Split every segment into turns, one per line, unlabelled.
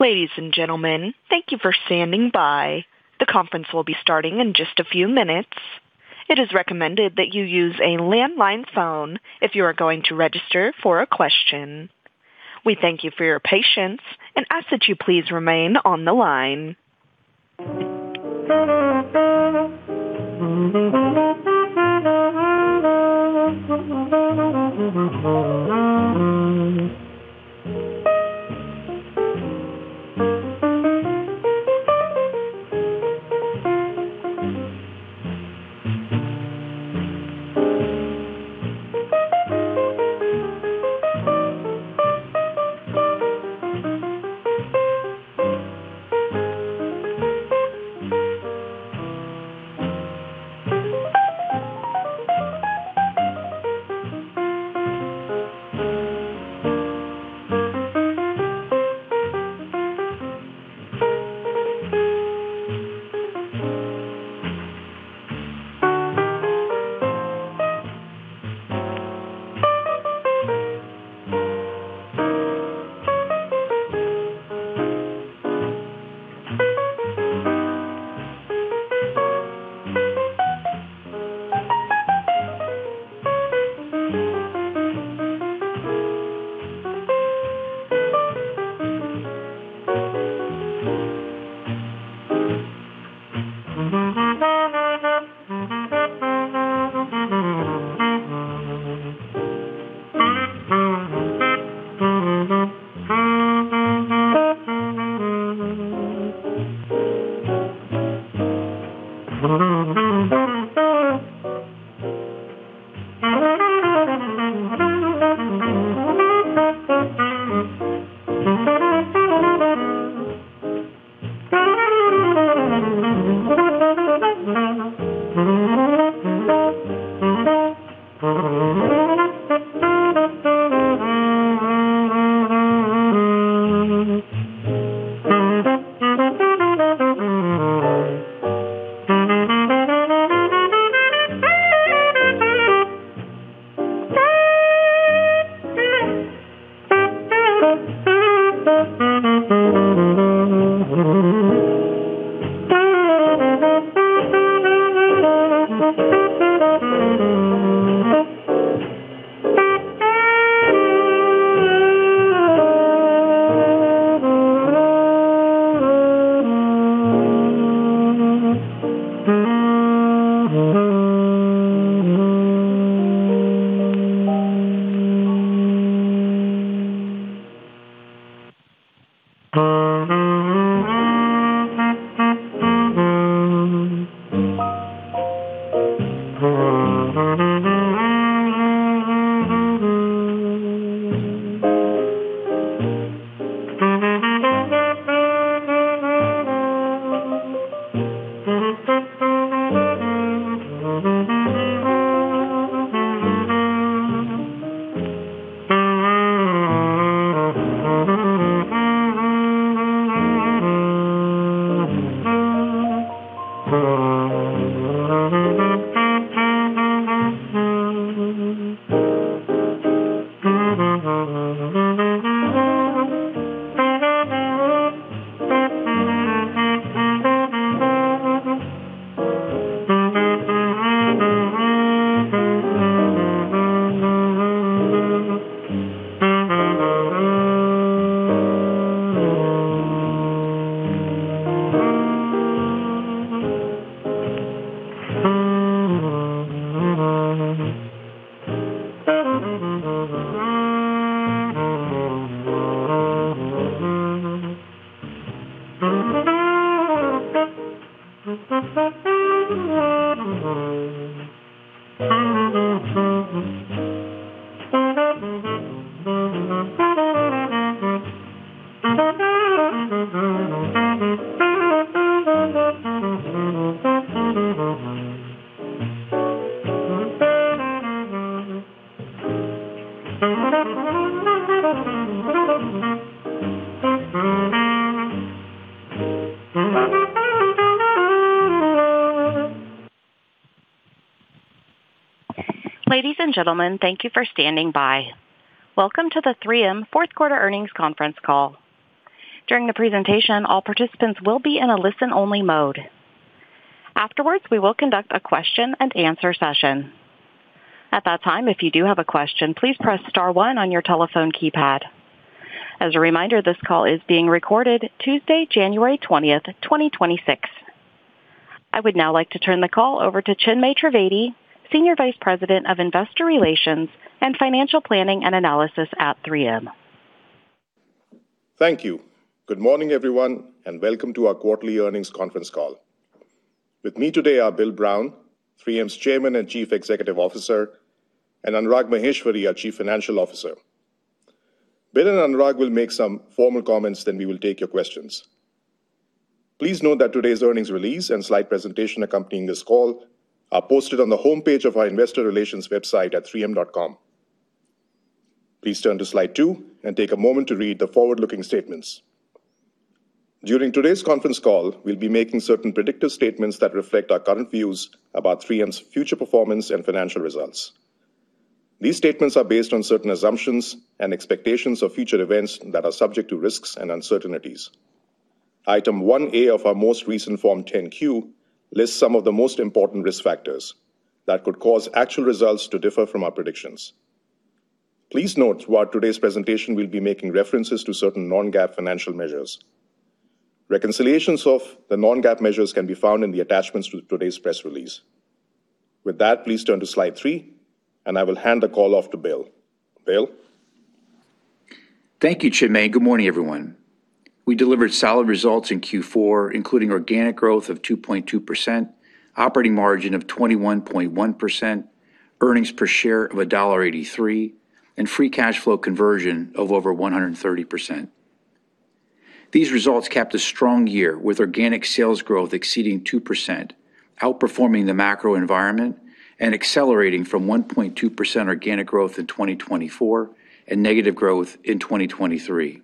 Ladies and gentlemen, thank you for standing by. The conference will be starting in just a few minutes. It is recommended that you use a landline phone if you are going to register for a question. We thank you for your patience and ask that you please remain on the line. Ladies and gentlemen, thank you for standing by. Welcome to the 3M Q4 Earnings Conference Call. During the presentation, all participants will be in a listen-only mode. Afterwards, we will conduct a question-and-answer session. At that time, if you do have a question, please press star one on your telephone keypad. As a reminder, this call is being recorded Tuesday, January 20th, 2026. I would now like to turn the call over to Chinmay Trivedi, Senior Vice President of Investor Relations and Financial Planning and Analysis at 3M.
Thank you. Good morning, everyone, and welcome to our quarterly earnings conference call. With me today are Bill Brown, 3M's Chairman and Chief Executive Officer, and Anurag Maheshwari, our Chief Financial Officer. Bill and Anurag will make some formal comments, then we will take your questions. Please note that today's earnings release and slide presentation accompanying this call are posted on the homepage of our investor relations website at 3M.com. Please turn to slide two and take a moment to read the forward-looking statements. During today's conference call, we'll be making certain predictive statements that reflect our current views about 3M's future performance and financial results. These statements are based on certain assumptions and expectations of future events that are subject to risks and uncertainties. Item 1A of our most recent Form 10-Q lists some of the most important risk factors that could cause actual results to differ from our predictions. Please note that today's presentation will be making references to certain non-GAAP financial measures. Reconciliations of the non-GAAP measures can be found in the attachments to today's press release. With that, please turn to slide three, and I will hand the call off to Bill. Bill.
Thank you, Chinmay. Good morning, everyone. We delivered solid results in Q4, including organic growth of 2.2%, operating margin of 21.1%, earnings per share of $1.83, and free cash flow conversion of over 130%. These results capped a strong year with organic sales growth exceeding 2%, outperforming the macro environment and accelerating from 1.2% organic growth in 2024 and negative growth in 2023.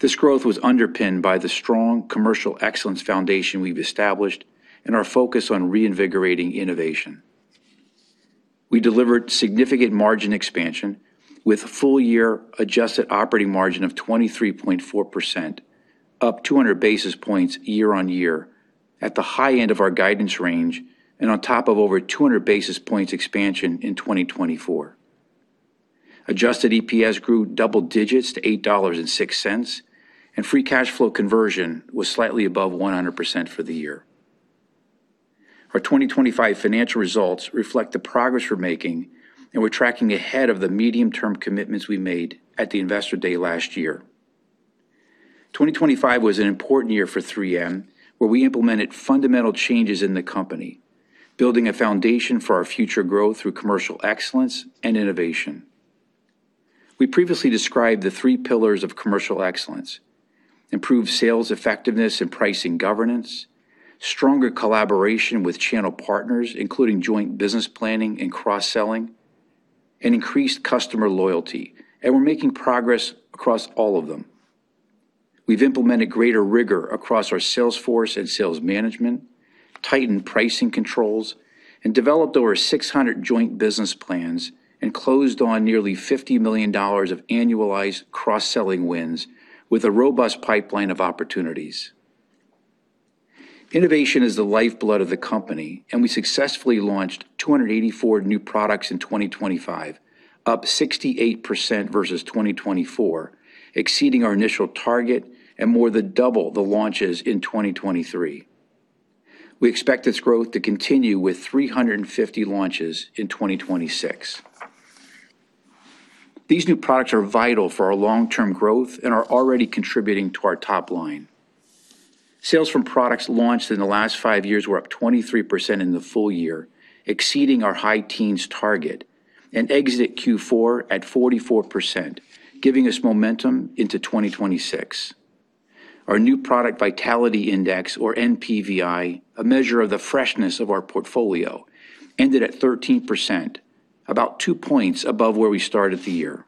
This growth was underpinned by the strong commercial excellence foundation we've established and our focus on reinvigorating innovation. We delivered significant margin expansion with a full-year adjusted operating margin of 23.4%, up 200 basis points year on year at the high end of our guidance range and on top of over 200 basis points expansion in 2024. Adjusted EPS grew double digits to $8.06, and free cash flow conversion was slightly above 100% for the year. Our 2025 financial results reflect the progress we're making, and we're tracking ahead of the medium-term commitments we made at the Investor Day last year. 2025 was an important year for 3M, where we implemented fundamental changes in the company, building a foundation for our future growth through commercial excellence and innovation. We previously described the three pillars of commercial excellence: improved sales effectiveness and pricing governance, stronger collaboration with channel partners, including joint business planning and cross-selling, and increased customer loyalty. And we're making progress across all of them. We've implemented greater rigor across our sales force and sales management, tightened pricing controls, and developed over 600 joint business plans and closed on nearly $50 million of annualized cross-selling wins with a robust pipeline of opportunities. Innovation is the lifeblood of the company, and we successfully launched 284 new products in 2025, up 68% versus 2024, exceeding our initial target and more than double the launches in 2023. We expect its growth to continue with 350 launches in 2026. These new products are vital for our long-term growth and are already contributing to our top line. Sales from products launched in the last five years were up 23% in the full year, exceeding our high teens target, and exited Q4 at 44%, giving us momentum into 2026. Our new product vitality index, or NPVI, a measure of the freshness of our portfolio, ended at 13%, about two points above where we started the year.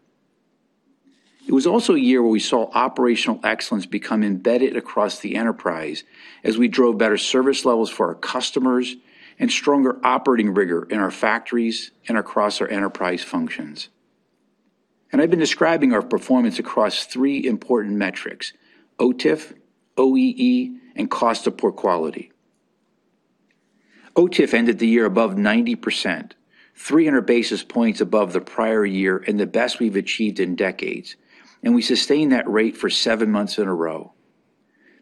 It was also a year where we saw operational excellence become embedded across the enterprise as we drove better service levels for our customers and stronger operating rigor in our factories and across our enterprise functions. And I've been describing our performance across three important metrics: OTIF, OEE, and cost of poor quality. OTIF ended the year above 90%, 300 basis points above the prior year and the best we've achieved in decades, and we sustained that rate for seven months in a row.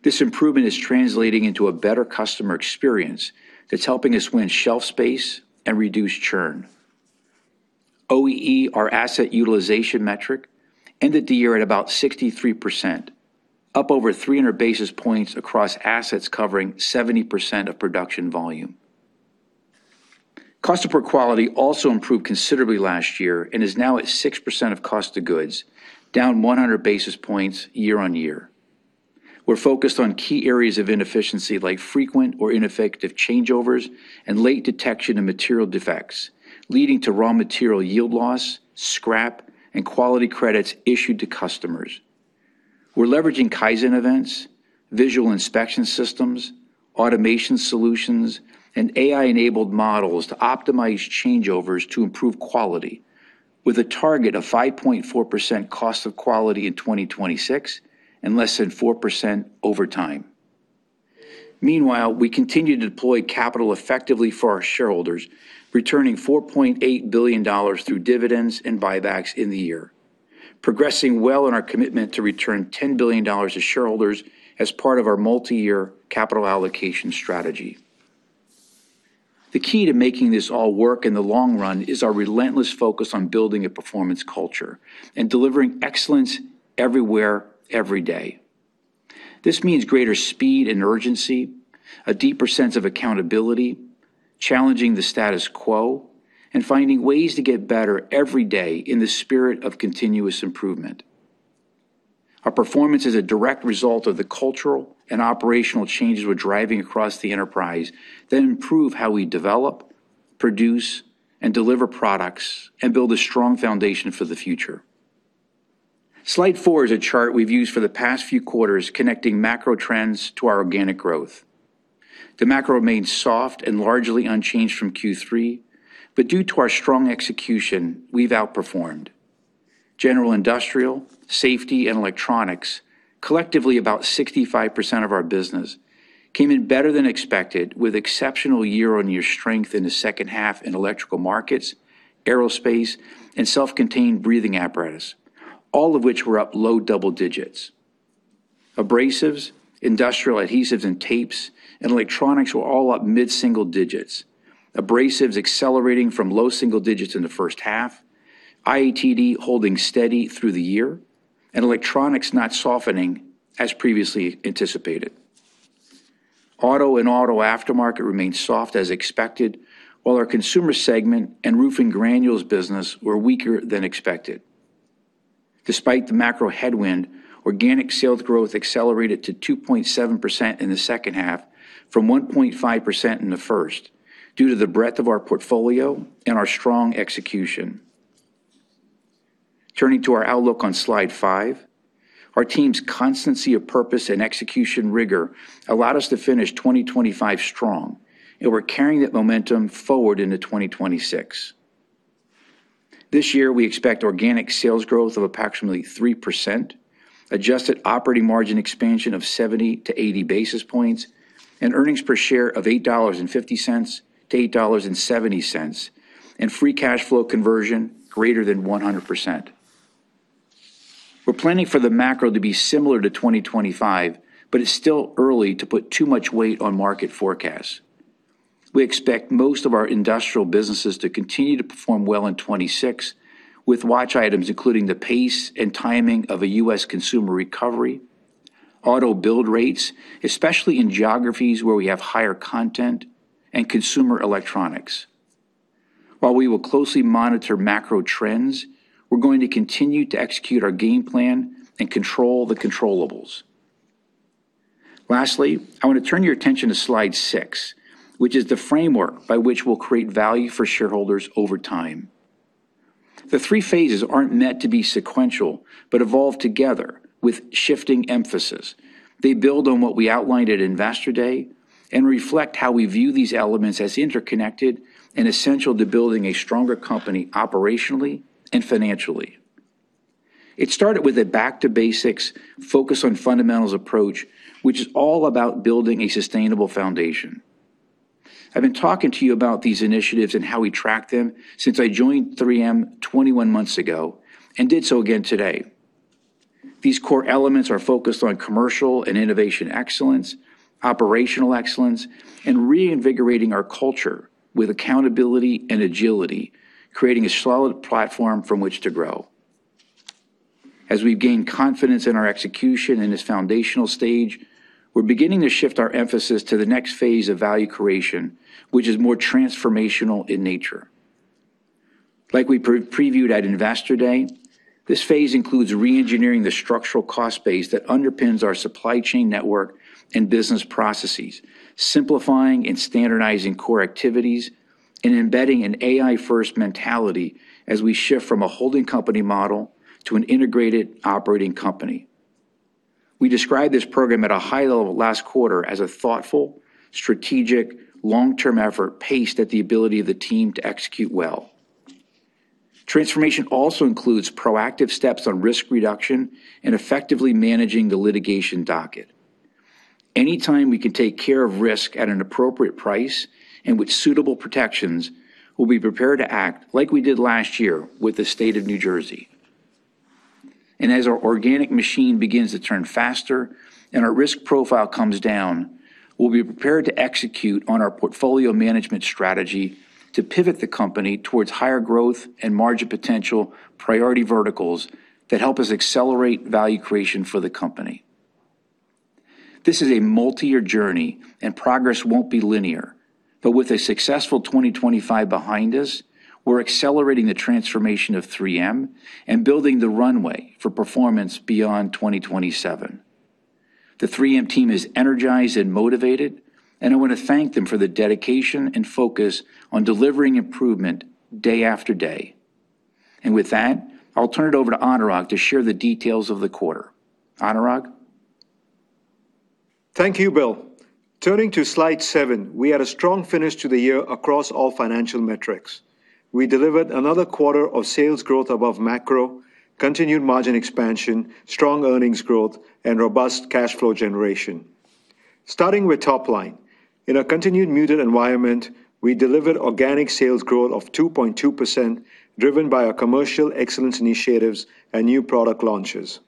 This improvement is translating into a better customer experience that's helping us win shelf space and reduce churn. OEE, our asset utilization metric, ended the year at about 63%, up over 300 basis points across assets covering 70% of production volume. Cost of poor quality also improved considerably last year and is now at 6% of cost of goods, down 100 basis points year on year. We're focused on key areas of inefficiency like frequent or ineffective changeovers and late detection of material defects, leading to raw material yield loss, scrap, and quality credits issued to customers. We're leveraging Kaizen events, visual inspection systems, automation solutions, and AI-enabled models to optimize changeovers to improve quality, with a target of 5.4% cost of quality in 2026 and less than 4% over time. Meanwhile, we continue to deploy capital effectively for our shareholders, returning $4.8 billion through dividends and buybacks in the year, progressing well in our commitment to return $10 billion to shareholders as part of our multi-year capital allocation strategy. The key to making this all work in the long run is our relentless focus on building a performance culture and delivering excellence everywhere, every day. This means greater speed and urgency, a deeper sense of accountability, challenging the status quo, and finding ways to get better every day in the spirit of continuous improvement. Our performance is a direct result of the cultural and operational changes we're driving across the enterprise that improve how we develop, produce, and deliver products and build a strong foundation for the future. Slide four is a chart we've used for the past few quarters connecting macro trends to our organic growth. The macro remains soft and largely unchanged from Q3, but due to our strong execution, we've outperformed. General Industrial, Safety, and Electronics, collectively about 65% of our business, came in better than expected with exceptional year-on-year strength in the second half in Electrical Markets, aerospace, and self-contained breathing apparatus, all of which were up low double digits. Abrasives, Industrial Adhesives and Tapes, and Electronics were all up mid-single digits, Abrasives accelerating from low single digits in the first half, IATD holding steady through the year, and Electronics not softening as previously anticipated. Auto and auto aftermarket remained soft as expected, while our Consumer segment and roofing granules business were weaker than expected. Despite the macro headwind, organic sales growth accelerated to 2.7% in the second half from 1.5% in the first due to the breadth of our portfolio and our strong execution. Turning to our outlook on slide five, our team's constancy of purpose and execution rigor allowed us to finish 2025 strong, and we're carrying that momentum forward into 2026. This year, we expect organic sales growth of approximately 3%, adjusted operating margin expansion of 70-80 basis points, and earnings per share of $8.50-$8.70, and free cash flow conversion greater than 100%. We're planning for the macro to be similar to 2025, but it's still early to put too much weight on market forecasts. We expect most of our industrial businesses to continue to perform well in 2026, with watch items including the pace and timing of a U.S. Consumer recovery, auto build rates, especially in geographies where we have higher content, and Consumer Electronics. While we will closely monitor macro trends, we're going to continue to execute our game plan and control the controllables. Lastly, I want to turn your attention to slide six, which is the framework by which we'll create value for shareholders over time. The three phases aren't meant to be sequential but evolve together with shifting emphasis. They build on what we outlined at Investor Day and reflect how we view these elements as interconnected and essential to building a stronger company operationally and financially. It started with a back-to-basics, focus on fundamentals approach, which is all about building a sustainable foundation. I've been talking to you about these initiatives and how we track them since I joined 3M 21 months ago and did so again today. These core elements are focused on commercial and innovation excellence, operational excellence, and reinvigorating our culture with accountability and agility, creating a solid platform from which to grow. As we've gained confidence in our execution in this foundational stage, we're beginning to shift our emphasis to the next phase of value creation, which is more transformational in nature. Like we previewed at Investor Day, this phase includes reengineering the structural cost base that underpins our supply chain network and business processes, simplifying and standardizing core activities, and embedding an AI-first mentality as we shift from a holding company model to an integrated operating company. We described this program at a high level last quarter as a thoughtful, strategic, long-term effort paced at the ability of the team to execute well. Transformation also includes proactive steps on risk reduction and effectively managing the litigation docket. Anytime we can take care of risk at an appropriate price and with suitable protections, we'll be prepared to act like we did last year with the State of New Jersey. And as our organic machine begins to turn faster and our risk profile comes down, we'll be prepared to execute on our portfolio management strategy to pivot the company towards higher growth and margin potential priority verticals that help us accelerate value creation for the company. This is a multi-year journey, and progress won't be linear. But with a successful 2025 behind us, we're accelerating the transformation of 3M and building the runway for performance beyond 2027. The 3M team is energized and motivated, and I want to thank them for the dedication and focus on delivering improvement day after day. And with that, I'll turn it over to Anurag to share the details of the quarter. Anurag.
Thank you, Bill. Turning to slide seven, we had a strong finish to the year across all financial metrics. We delivered another quarter of sales growth above macro, continued margin expansion, strong earnings growth, and robust cash flow generation. Starting with top line, in a continued muted environment, we delivered organic sales growth of 2.2% driven by our commercial excellence initiatives and new product launches.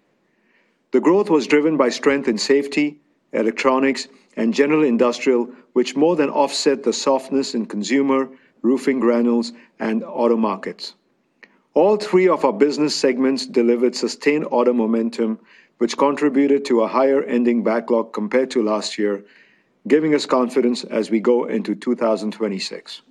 The growth was driven by strength in Safety, Electronics, and general industrial, which more than offset the softness in Consumer, roofing granules, and auto markets. All three of our business segments delivered sustained auto momentum, which contributed to a higher ending backlog compared to last year, giving us confidence as we go into 2026.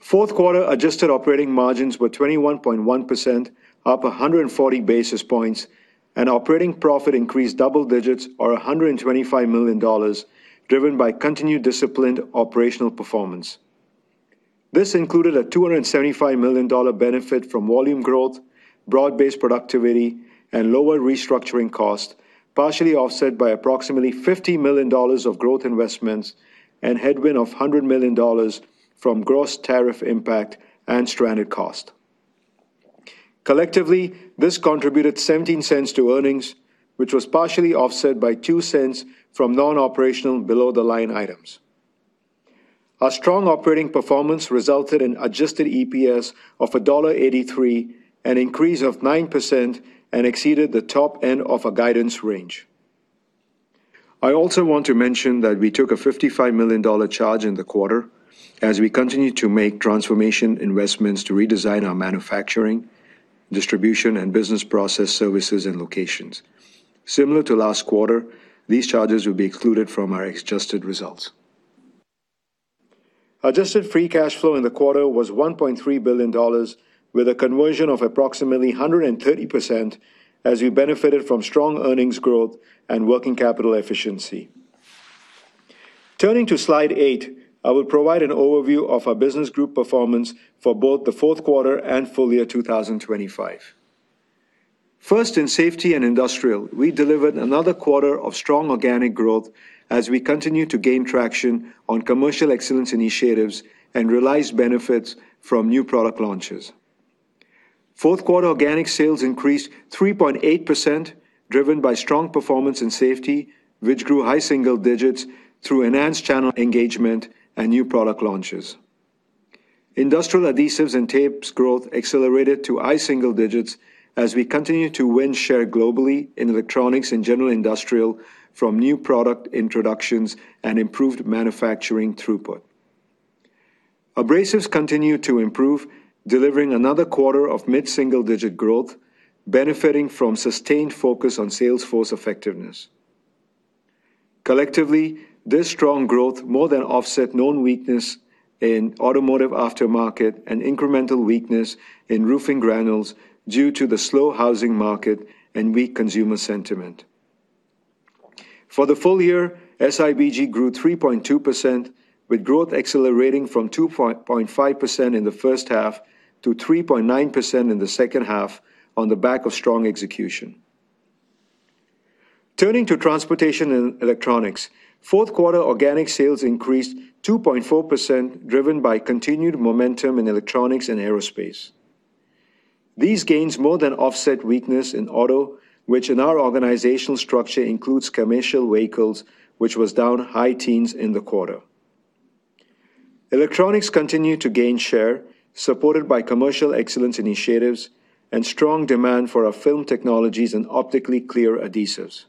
Q4 adjusted operating margins were 21.1%, up 140 basis points, and operating profit increased double digits or $125 million, driven by continued disciplined operational performance. This included a $275 million benefit from volume growth, broad-based productivity, and lower restructuring cost, partially offset by approximately $50 million of growth investments and headwind of $100 million from gross tariff impact and stranded cost. Collectively, this contributed $0.17 to earnings, which was partially offset by $0.02 from non-operational below-the-line items. Our strong operating performance resulted in adjusted EPS of $1.83, an increase of nine%, and exceeded the top end of our guidance range. I also want to mention that we took a $55 million charge in the quarter as we continue to make transformation investments to redesign our manufacturing, distribution, and business process services and locations. Similar to last quarter, these charges will be excluded from our adjusted results. Adjusted free cash flow in the quarter was $1.3 billion, with a conversion of approximately 130%, as we benefited from strong earnings growth and working capital efficiency. Turning to slide eight, I will provide an overview of our business group performance for both the Q4 and full year 2025. First, in Safety and Industrial, we delivered another quarter of strong organic growth as we continue to gain traction on commercial excellence initiatives and realized benefits from new product launches. Q4 organic sales increased 3.8%, driven by strong performance in Safety, which grew high single digits through enhanced channel engagement and new product launches. Industrial Adhesives and Tapes growth accelerated to high single digits as we continue to win share globally in Electronics and general industrial from new product introductions and improved manufacturing throughput. Abrasives continued to improve, delivering another quarter of mid-single digit growth, benefiting from sustained focus on sales force effectiveness. Collectively, this strong growth more than offset known weakness in Automotive Aftermarket and incremental weakness in roofing granules due to the slow housing market and weak Consumer sentiment. For the full year, SIBG grew 3.2%, with growth accelerating from 2.5% in the first half to 3.9% in the second half on the back of strong execution. Turning to Transportation and Electronics, Q4 organic sales increased 2.4%, driven by continued momentum in Electronics and aerospace. These gains more than offset weakness in auto, which in our organizational structure includes commercial vehicles, which was down high teens in the quarter. Electronics continued to gain share, supported by commercial excellence initiatives and strong demand for our film technologies and optically clear adhesives.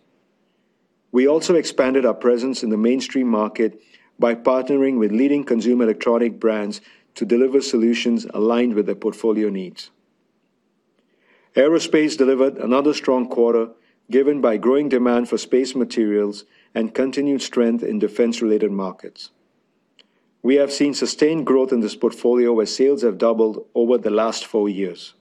We also expanded our presence in the mainstream market by partnering with leading Consumer electronic brands to deliver solutions aligned with their portfolio needs. Aerospace delivered another strong quarter, given by growing demand for space materials and continued strength in defense-related markets. We have seen sustained growth in this portfolio, where sales have doubled over the last four years.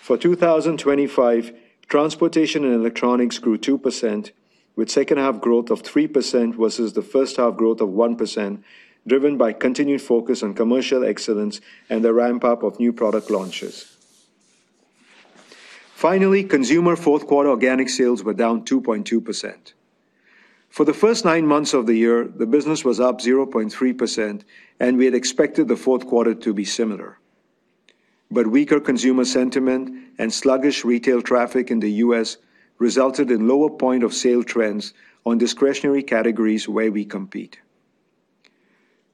For 2025, Transportation and Electronics grew 2%, with second-half growth of 3% versus the first-half growth of 1%, driven by continued focus on commercial excellence and the ramp-up of new product launches. Finally, Consumer Q4 organic sales were down 2.2%. For the first nine months of the year, the business was up 0.3%, and we had expected the Q4 to be similar. But weaker Consumer sentiment and sluggish retail traffic in the U.S. resulted in lower point of sale trends on discretionary categories where we compete.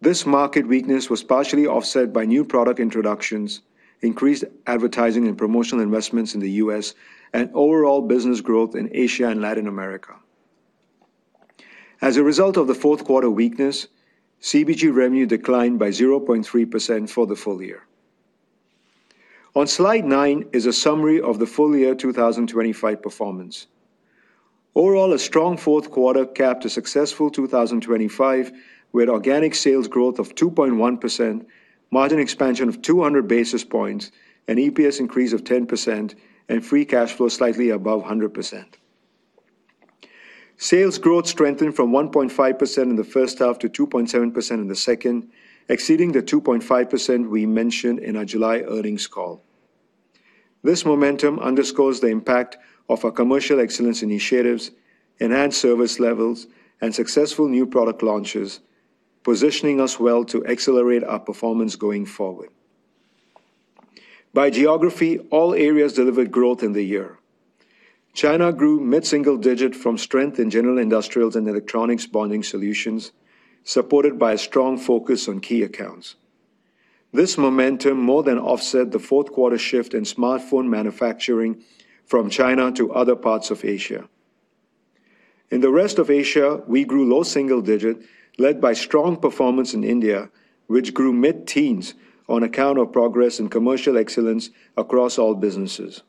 This market weakness was partially offset by new product introductions, increased advertising and promotional investments in the U.S., and overall business growth in Asia and Latin America. As a result of the Q4 weakness, CBG revenue declined by 0.3% for the full year. On slide nine is a summary of the full year 2025 performance. Overall, a strong Q4 capped a successful 2025 with organic sales growth of 2.1%, margin expansion of 200 basis points, an EPS increase of 10%, and free cash flow slightly above 100%. Sales growth strengthened from 1.5% in the first half to 2.7% in the second, exceeding the 2.5% we mentioned in our July earnings call. This momentum underscores the impact of our commercial excellence initiatives, enhanced service levels, and successful new product launches, positioning us well to accelerate our performance going forward. By geography, all areas delivered growth in the year. China grew mid-single digit from strength in general industrials and Electronics bonding solutions, supported by a strong focus on key accounts. This momentum more than offset the Q4 shift in smartphone manufacturing from China to other parts of Asia. In the rest of Asia, we grew low single digit, led by strong performance in India, which grew mid-teens on account of progress in commercial excellence across all businesses.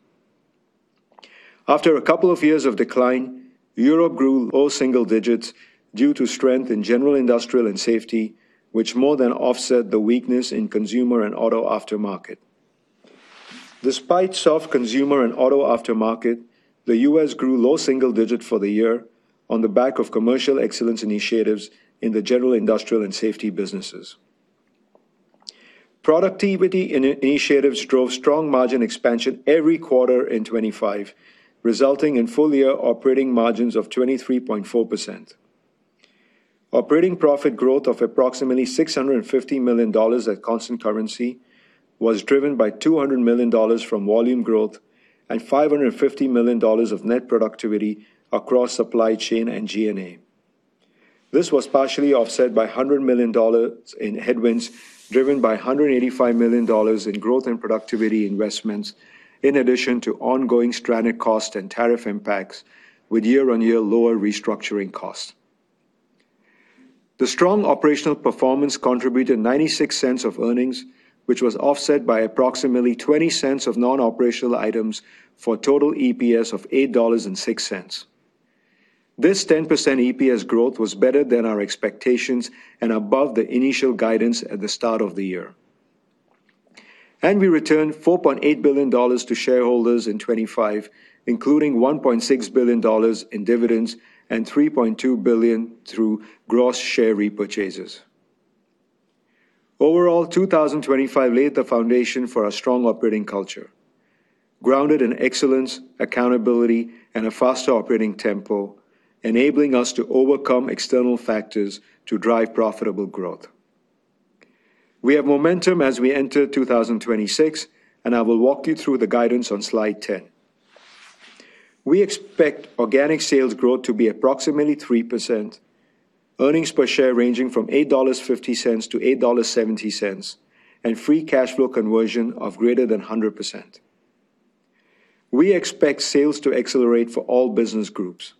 After a couple of years of decline, Europe grew low single digits due to strength in general industrial and Safety, which more than offset the weakness in Consumer and auto aftermarket. Despite soft Consumer and auto aftermarket, the U.S. grew low single digit for the year on the back of commercial excellence initiatives in the general industrial and Safety businesses. Productivity initiatives drove strong margin expansion every quarter in 2025, resulting in full year operating margins of 23.4%. Operating profit growth of approximately $650 million at constant currency was driven by $200 million from volume growth and $550 million of net productivity across supply chain and GNA. This was partially offset by $100 million in headwinds, driven by $185 million in growth and productivity investments, in addition to ongoing stranded cost and tariff impacts with year-on-year lower restructuring cost. The strong operational performance contributed $0.96 of earnings, which was offset by approximately $0.20 of non-operational items for a total EPS of $8.06. This 10% EPS growth was better than our expectations and above the initial guidance at the start of the year, and we returned $4.8 billion to shareholders in 2025, including $1.6 billion in dividends and $3.2 billion through gross share repurchases. Overall, 2025 laid the foundation for a strong operating culture, grounded in excellence, accountability, and a faster operating tempo, enabling us to overcome external factors to drive profitable growth. We have momentum as we enter 2026, and I will walk you through the guidance on slide 10. We expect organic sales growth to be approximately 3%, earnings per share ranging from $8.50-$8.70, and free cash flow conversion of greater than 100%. We expect sales to accelerate for all business groups.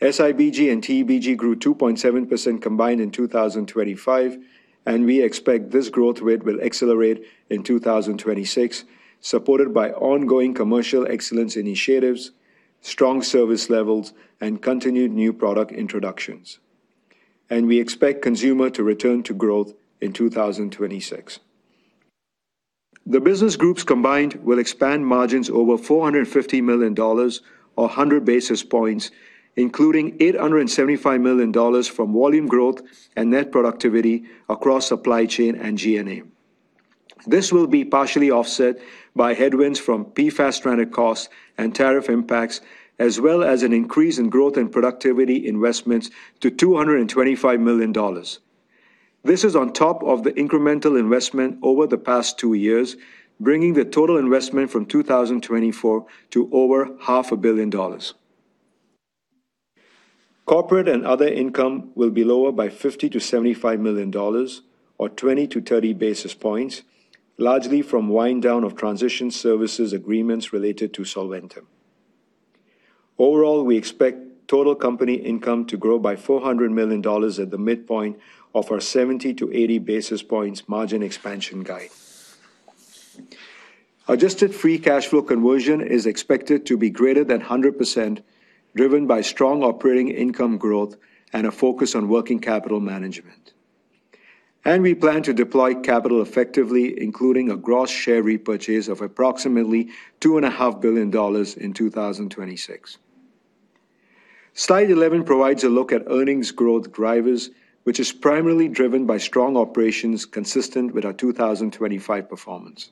SIBG and TBG grew 2.7% combined in 2025, and we expect this growth rate will accelerate in 2026, supported by ongoing commercial excellence initiatives, strong service levels, and continued new product introductions. And we expect Consumer to return to growth in 2026. The business groups combined will expand margins over $450 million or 100 basis points, including $875 million from volume growth and net productivity across supply chain and SG&A. This will be partially offset by headwinds from PFAS stranded costs and tariff impacts, as well as an increase in growth and productivity investments to $225 million. This is on top of the incremental investment over the past two years, bringing the total investment from 2024 to over $500 million. Corporate and other income will be lower by $50-$75 million or 20-30 basis points, largely from wind down of transition services agreements related to Solventum. Overall, we expect total company income to grow by $400 million at the midpoint of our 70-80 basis points margin expansion guide. Adjusted free cash flow conversion is expected to be greater than 100%, driven by strong operating income growth and a focus on working capital management. And we plan to deploy capital effectively, including a gross share repurchase of approximately $2.5 billion in 2026. Slide 11 provides a look at earnings growth drivers, which is primarily driven by strong operations consistent with our 2025 performance.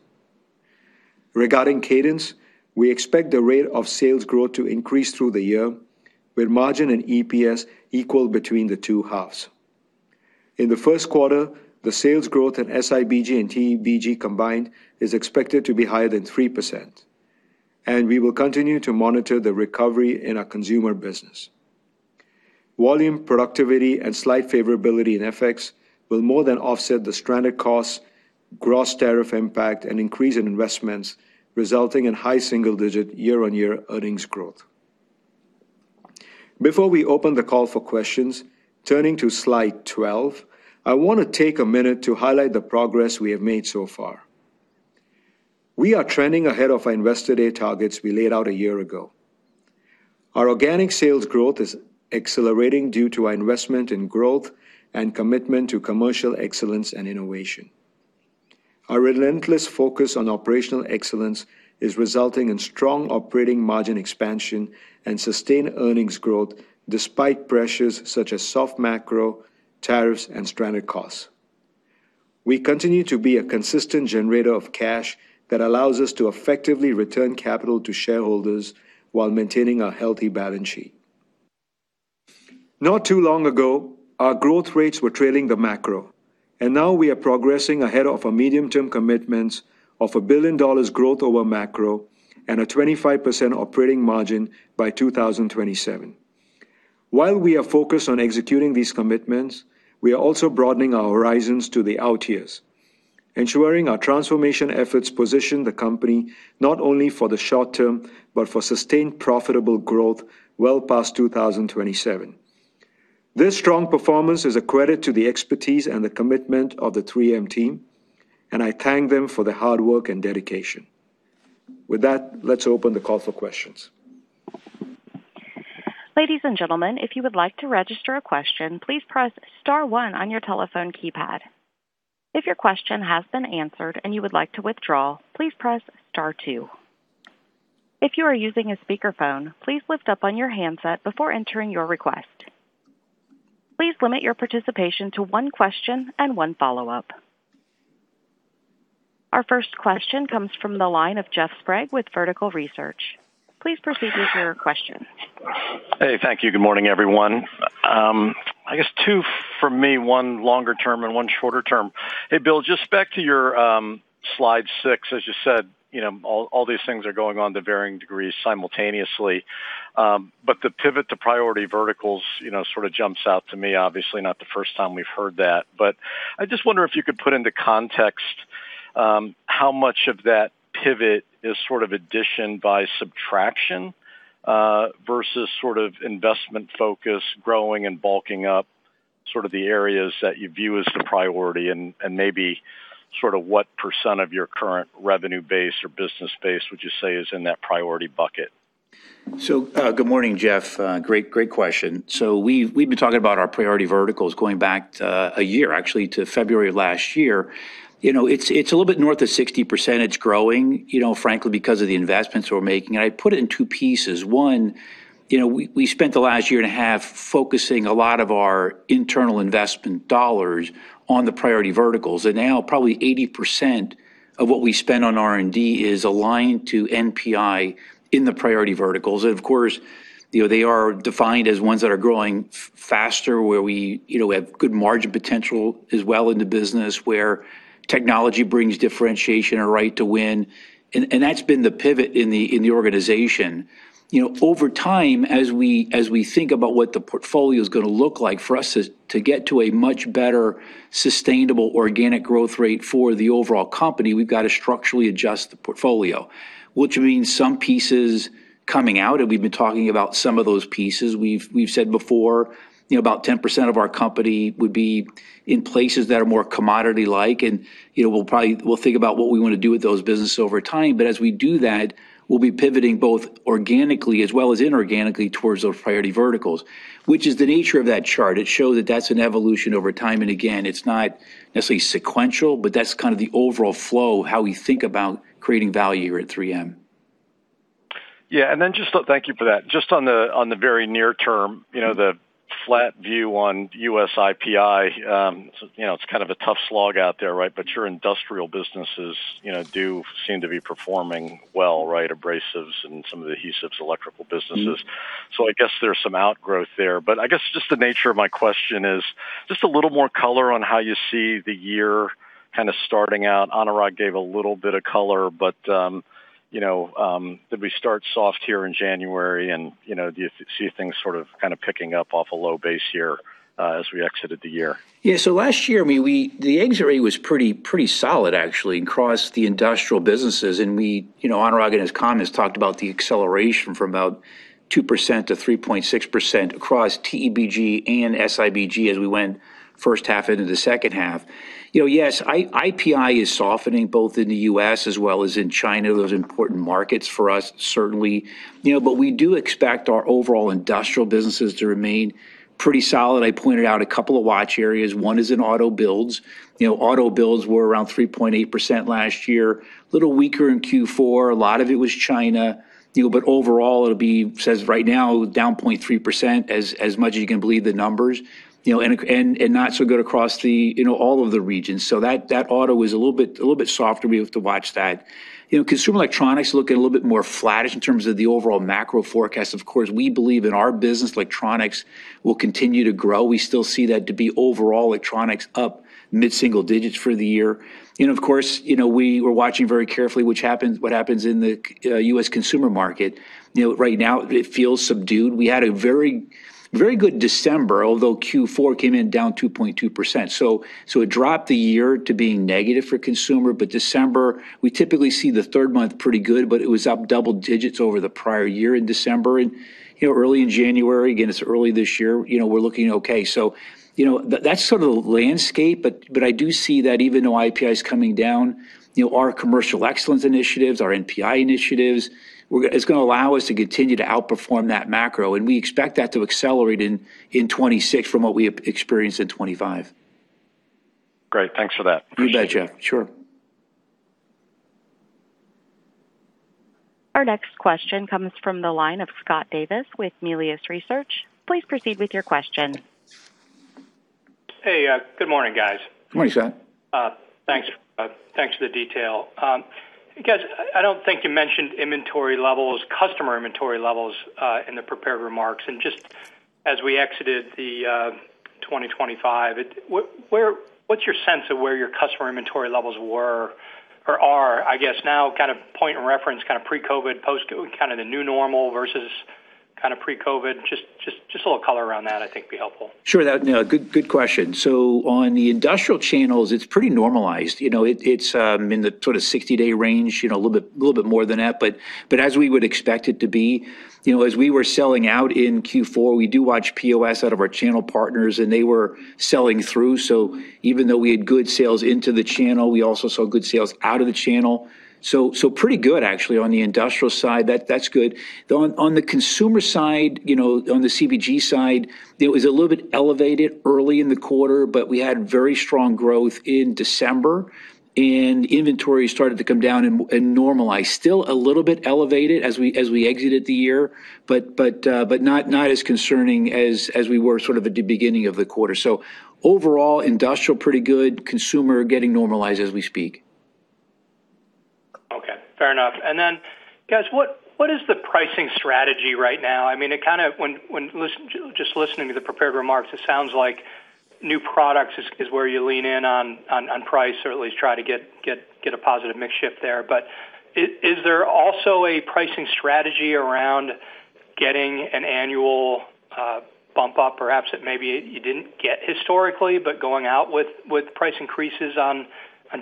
Regarding cadence, we expect the rate of sales growth to increase through the year, with margin and EPS equal between the two halves. In the Q1, the sales growth in SIBG and TBG combined is expected to be higher than 3%, and we will continue to monitor the recovery in our Consumer business. Volume, productivity, and slight favorability in FX will more than offset the stranded costs, gross tariff impact, and increase in investments, resulting in high single-digit year-on-year earnings growth. Before we open the call for questions, turning to slide 12, I want to take a minute to highlight the progress we have made so far. We are trending ahead of our Investor Day targets we laid out a year ago. Our organic sales growth is accelerating due to our investment in growth and commitment to commercial excellence and innovation. Our relentless focus on operational excellence is resulting in strong operating margin expansion and sustained earnings growth despite pressures such as soft macro, tariffs, and stranded costs. We continue to be a consistent generator of cash that allows us to effectively return capital to shareholders while maintaining a healthy balance sheet. Not too long ago, our growth rates were trailing the macro, and now we are progressing ahead of our medium-term commitments of $1 billion growth over macro and a 25% operating margin by 2027. While we are focused on executing these commitments, we are also broadening our horizons to the out years, ensuring our transformation efforts position the company not only for the short term but for sustained profitable growth well past 2027. This strong performance is a credit to the expertise and the commitment of the 3M team, and I thank them for the hard work and dedication. With that, let's open the call for questions.
Ladies and gentlemen, if you would like to register a question, please press Star 1 on your telephone keypad. If your question has been answered and you would like to withdraw, please press Star 2. If you are using a speakerphone, please lift up on your handset before entering your request. Please limit your participation to one question and one follow-up. Our first question comes from the line of Jeff Sprague with Vertical Research. Please proceed with your question.
Hey, thank you. Good morning, everyone. I guess two for me, one longer term and one shorter term. Hey, Bill, just back to your slide six. As you said, all these things are going on to varying degrees simultaneously. But the pivot to priority verticals sort of jumps out to me, obviously not the first time we've heard that. But I just wonder if you could put into context how much of that pivot is sort of addition by subtraction versus sort of investment focus growing and bulking up sort of the areas that you view as the priority, and maybe sort of what percent of your current revenue base or business base would you say is in that priority bucket?
So, good morning, Jeff. Great question. So we've been talking about our priority verticals going back a year, actually to February of last year. It's a little bit north of 60%. It's growing, frankly, because of the investments we're making. And I put it in two pieces. One, we spent the last year and a half focusing a lot of our internal investment dollars on the priority verticals. And now probably 80% of what we spend on R&D is aligned to NPI in the priority verticals. And of course, they are defined as ones that are growing faster, where we have good margin potential as well in the business, where technology brings differentiation or right to win. And that's been the pivot in the organization. Over time, as we think about what the portfolio is going to look like for us to get to a much better sustainable organic growth rate for the overall company, we've got to structurally adjust the portfolio, which means some pieces coming out. We've been talking about some of those pieces. We've said before about 10% of our company would be in places that are more commodity-like. And we'll think about what we want to do with those businesses over time. But as we do that, we'll be pivoting both organically as well as inorganically towards those priority verticals, which is the nature of that chart. It shows that that's an evolution over time. And again, it's not necessarily sequential, but that's kind of the overall flow of how we think about creating value here at 3M.
Yeah. And then just thank you for that. Just on the very near term, the flat view on U.S. IPI, it's kind of a tough slog out there, right? But your industrial businesses do seem to be performing well, right? Abrasives and some of the adhesives, electrical businesses. So I guess there's some outgrowth there. But I guess just the nature of my question is just a little more color on how you see the year kind of starting out. Anurag gave a little bit of color, but did we start soft here in January and do you see things sort of kind of picking up off a low base here as we exited the year?
Yeah. So last year, the exit rate was pretty solid, actually, across the industrial businesses. And Anurag and his comments talked about the acceleration from about 2%-3.6% across TBG and SIBG as we went first half into the second half. Yes, IPI is softening both in the U.S. as well as in China. Those are important markets for us, certainly. But we do expect our overall industrial businesses to remain pretty solid. I pointed out a couple of watch areas. One is in auto builds. Auto builds were around 3.8% last year, a little weaker in Q4. A lot of it was China. But overall, it'll be, says right now, down 0.3%, as much as you can believe the numbers, and not so good across all of the regions, so that auto is a little bit softer. We have to watch that. Consumer Electronics look a little bit more flattish in terms of the overall macro forecast. Of course, we believe in our business, Electronics will continue to grow. We still see that to be overall Electronics up mid-single digits for the year. And of course, we were watching very carefully what happens in the U.S. Consumer market. Right now, it feels subdued. We had a very good December, although Q4 came in down 2.2%, so it dropped the year to being negative for Consumer. But December, we typically see the third month pretty good, but it was up double digits over the prior year in December. And early in January, again, it's early this year, we're looking okay. So that's sort of the landscape. But I do see that even though IPI is coming down, our commercial excellence initiatives, our NPI initiatives, it's going to allow us to continue to outperform that macro. And we expect that to accelerate in 2026 from what we experienced in 2025.
Great. Thanks for that.
You bet, Jeff.
Sure.
Our next question comes from the line of Scott Davis with Melius Research. Please proceed with your question.
Hey, good morning, guys.
Morning, Scott.
Thanks for the detail. Guys, I don't think you mentioned inventory levels, customer inventory levels in the prepared remarks. Just as we exited 2023, what's your sense of where your customer inventory levels were or are, I guess, now kind of point of reference, kind of pre-COVID, post, kind of the new normal versus kind of pre-COVID? Just a little color around that, I think, would be helpful.
Sure. Good question. So on the industrial channels, it's pretty normalized. It's in the sort of 60-day range, a little bit more than that. But as we would expect it to be, as we were selling out in Q4, we do watch POS out of our channel partners, and they were selling through. So even though we had good sales into the channel, we also saw good sales out of the channel. So pretty good, actually, on the industrial side. That's good. On the Consumer side, on the CBG side, it was a little bit elevated early in the quarter, but we had very strong growth in December, and inventory started to come down and normalize. Still a little bit elevated as we exited the year, but not as concerning as we were sort of at the beginning of the quarter. So overall, industrial pretty good, Consumer getting normalized as we speak.
Okay. Fair enough. And then, guys, what is the pricing strategy right now? I mean, kind of just listening to the prepared remarks, it sounds like new products is where you lean in on price or at least try to get a positive mix shift there. But is there also a pricing strategy around getting an annual bump up, perhaps, that maybe you didn't get historically, but going out with price increases on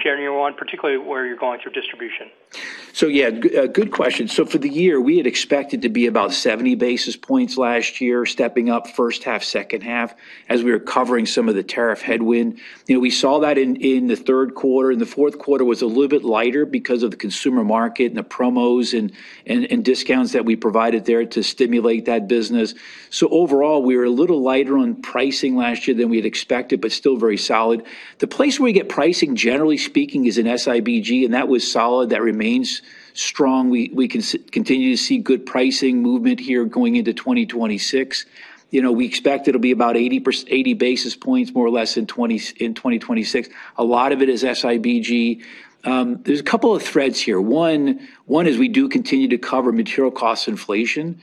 January 1, particularly where you're going through distribution?
So yeah, good question. So for the year, we had expected to be about 70 basis points last year, stepping up first half, second half, as we were covering some of the tariff headwind. We saw that in the Q3. In the Q4, it was a little bit lighter because of the Consumer market and the promos and discounts that we provided there to stimulate that business. So overall, we were a little lighter on pricing last year than we had expected, but still very solid. The place where you get pricing, generally speaking, is in SIBG, and that was solid. That remains strong. We continue to see good pricing movement here going into 2026. We expect it'll be about 80 basis points, more or less, in 2026. A lot of it is SIBG. There's a couple of threads here. One is we do continue to cover material cost inflation.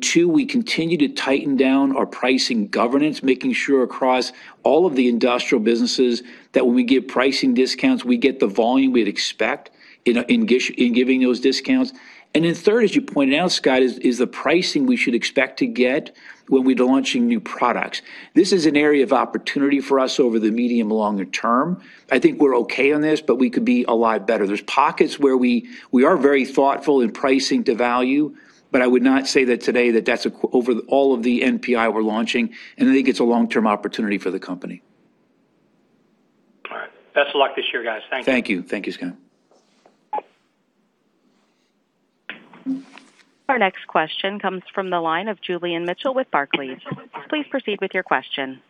Two, we continue to tighten down our pricing governance, making sure across all of the industrial businesses that when we give pricing discounts, we get the volume we expect in giving those discounts. And then third, as you pointed out, Scott, is the pricing we should expect to get when we're launching new products. This is an area of opportunity for us over the medium-longer term. I think we're okay on this, but we could be a lot better. There's pockets where we are very thoughtful in pricing to value, but I would not say that today that that's overall of the NPI we're launching. And I think it's a long-term opportunity for the company.
All right. Best of luck this year, guys.
Thank you. Thank you. Thank you, Scott.
Our next question comes from the line of Julian Mitchell with Barclays. Please proceed with your question.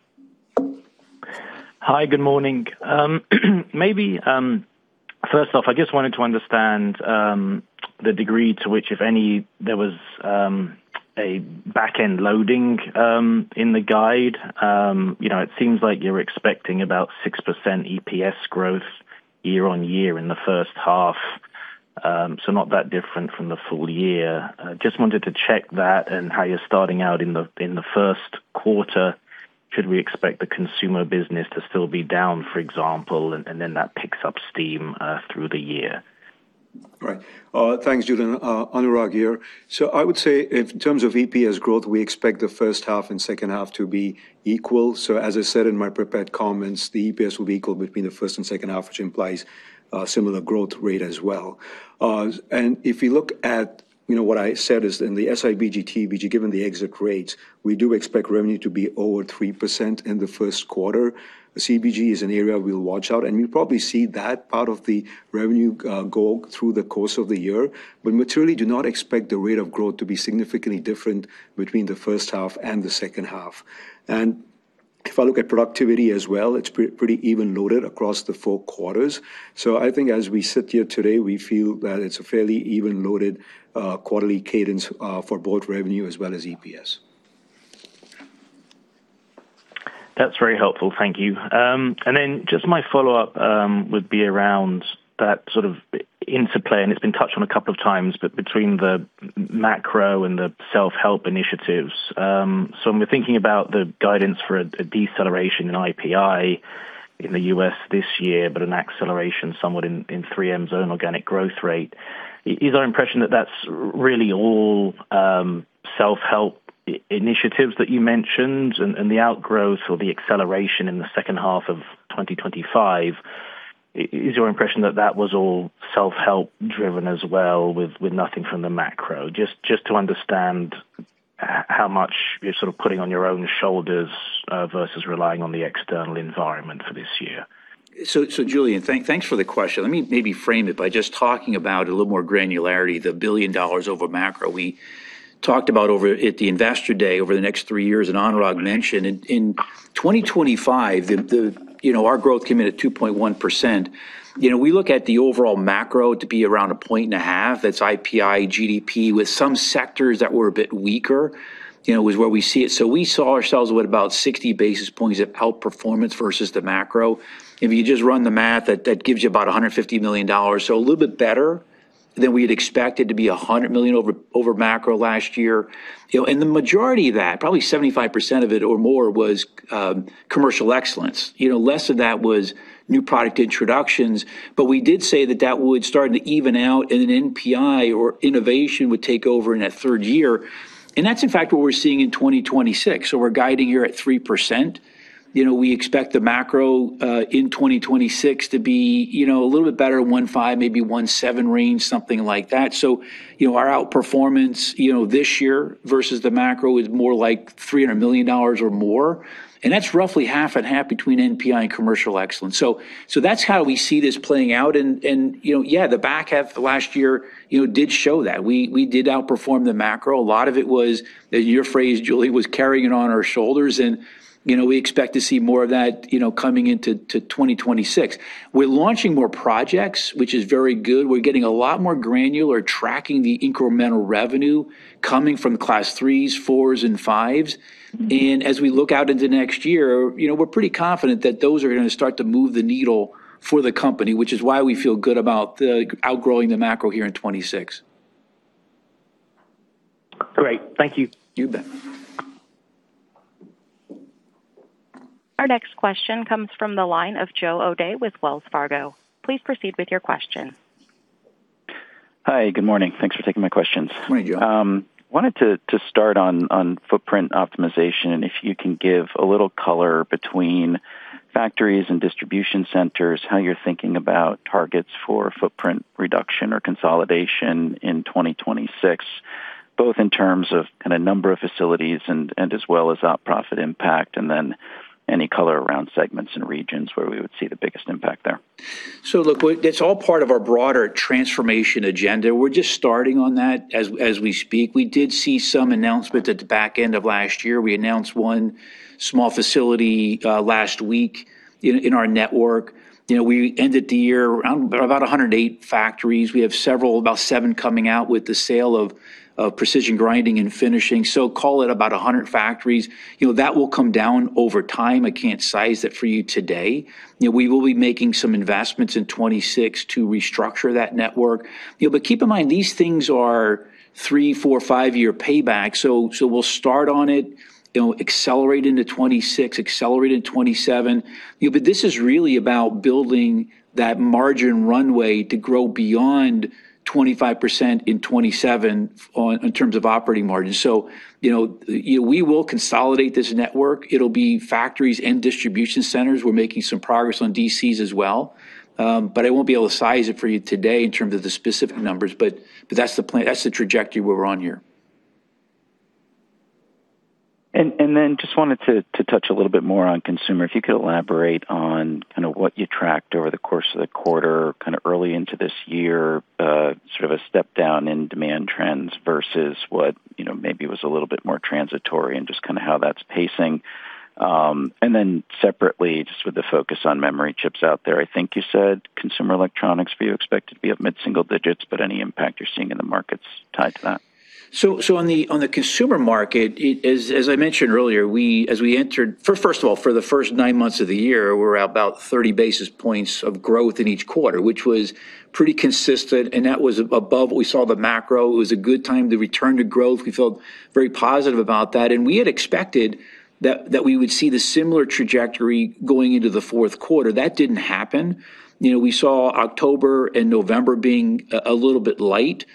Hi. Good morning. Maybe first off, I just wanted to understand the degree to which, if any, there was a back-end loading in the guide. It seems like you're expecting about 6% EPS growth year on year in the first half, so not that different from the full year. Just wanted to check that and how you're starting out in the Q1. Should we expect the Consumer business to still be down, for example, and then that picks up steam through the year?
Right. Thanks, Julie. Anurag here. So I would say in terms of EPS growth, we expect the first half and second half to be equal. So as I said in my prepared comments, the EPS will be equal between the first and second half, which implies a similar growth rate as well. And if you look at what I said is in the SIBG-TBG, given the exit rates, we do expect revenue to be over 3% in the Q1. CBG is an area we'll watch out, and we'll probably see that part of the revenue go through the course of the year. But materially, do not expect the rate of growth to be significantly different between the first half and the second half. If I look at productivity as well, it's pretty even loaded across the four quarters. I think as we sit here today, we feel that it's a fairly even loaded quarterly cadence for both revenue as well as EPS.
That's very helpful. Thank you. Then just my follow-up would be around that sort of interplay. It's been touched on a couple of times, but between the macro and the self-help initiatives. When we're thinking about the guidance for a deceleration in IPI in the U.S. this year, but an acceleration somewhat in 3M's own organic growth rate, is our impression that that's really all self-help initiatives that you mentioned and the outgrowth or the acceleration in the second half of 2025? Is your impression that that was all self-help driven as well with nothing from the macro? Just to understand how much you're sort of putting on your own shoulders versus relying on the external environment for this year.
So Julian, thanks for the question. Let me maybe frame it by just talking about a little more granularity, the billion dollars over macro. We talked about over at the investor day over the next three years, and Anurag mentioned in 2025, our growth came in at 2.1%. We look at the overall macro to be around a point and a half. That's IPI, GDP, with some sectors that were a bit weaker is where we see it. So we saw ourselves with about 60 basis points of outperformance versus the macro. If you just run the math, that gives you about $150 million. So a little bit better than we had expected to be $100 million over macro last year. And the majority of that, probably 75% of it or more, was commercial excellence. Less of that was new product introductions. But we did say that that would start to even out, and then NPI or innovation would take over in that third year. And that's, in fact, what we're seeing in 2026. So we're guiding here at 3%. We expect the macro in 2026 to be a little bit better, 1.5%-1.7% range, something like that. So our outperformance this year versus the macro is more like $300 million or more. And that's roughly half and half between NPI and commercial excellence. So that's how we see this playing out. And yeah, the back half last year did show that. We did outperform the macro. A lot of it was, your phrase, Julian, was carrying it on our shoulders. We expect to see more of that coming into 2026. We're launching more projects, which is very good. We're getting a lot more granular tracking the incremental revenue coming from the class threes, fours, and fives. As we look out into next year, we're pretty confident that those are going to start to move the needle for the company, which is why we feel good about outgrowing the macro here in 2026.
Great. Thank you.
You bet.
Our next question comes from the line of Joseph O'Dea with Wells Fargo. Please proceed with your question.
Hi. Good morning. Thanks for taking my questions.
Morning, Joe.
Wanted to start on footprint optimization. If you can give a little color between factories and distribution centers, how you're thinking about targets for footprint reduction or consolidation in 2026, both in terms of kind of number of facilities and as well as outprofit impact, and then any color around segments and regions where we would see the biggest impact there.
So look, it's all part of our broader transformation agenda. We're just starting on that as we speak. We did see some announcements at the back end of last year. We announced one small facility last week in our network. We ended the year around about 108 factories. We have several, about seven, coming out with the sale of Precision Grinding and Finishing. So call it about 100 factories. That will come down over time. I can't size that for you today. We will be making some investments in 2026 to restructure that network. But keep in mind, these things are three, four, five-year payback. So we'll start on it, accelerate into 2026, accelerate into 2027. But this is really about building that margin runway to grow beyond 25% in 2027 in terms of operating margin. So we will consolidate this network. It'll be factories and distribution centers. We're making some progress on DCs as well. But I won't be able to size it for you today in terms of the specific numbers. But that's the trajectory where we're on here.
And then just wanted to touch a little bit more on Consumer. If you could elaborate on kind of what you tracked over the course of the quarter, kind of early into this year, sort of a step down in demand trends versus what maybe was a little bit more transitory and just kind of how that's pacing? And then separately, just with the focus on memory chips out there, I think you said Consumer Electronics for you expected to be at mid-single digits, but any impact you're seeing in the markets tied to that?
So on the Consumer market, as I mentioned earlier, as we entered, first of all, for the first nine months of the year, we were at about 30 basis points of growth in each quarter, which was pretty consistent. And that was above what we saw the macro. It was a good time to return to growth. We felt very positive about that. And we had expected that we would see the similar trajectory going into the Q4. That didn't happen. We saw October and November being a little bit light.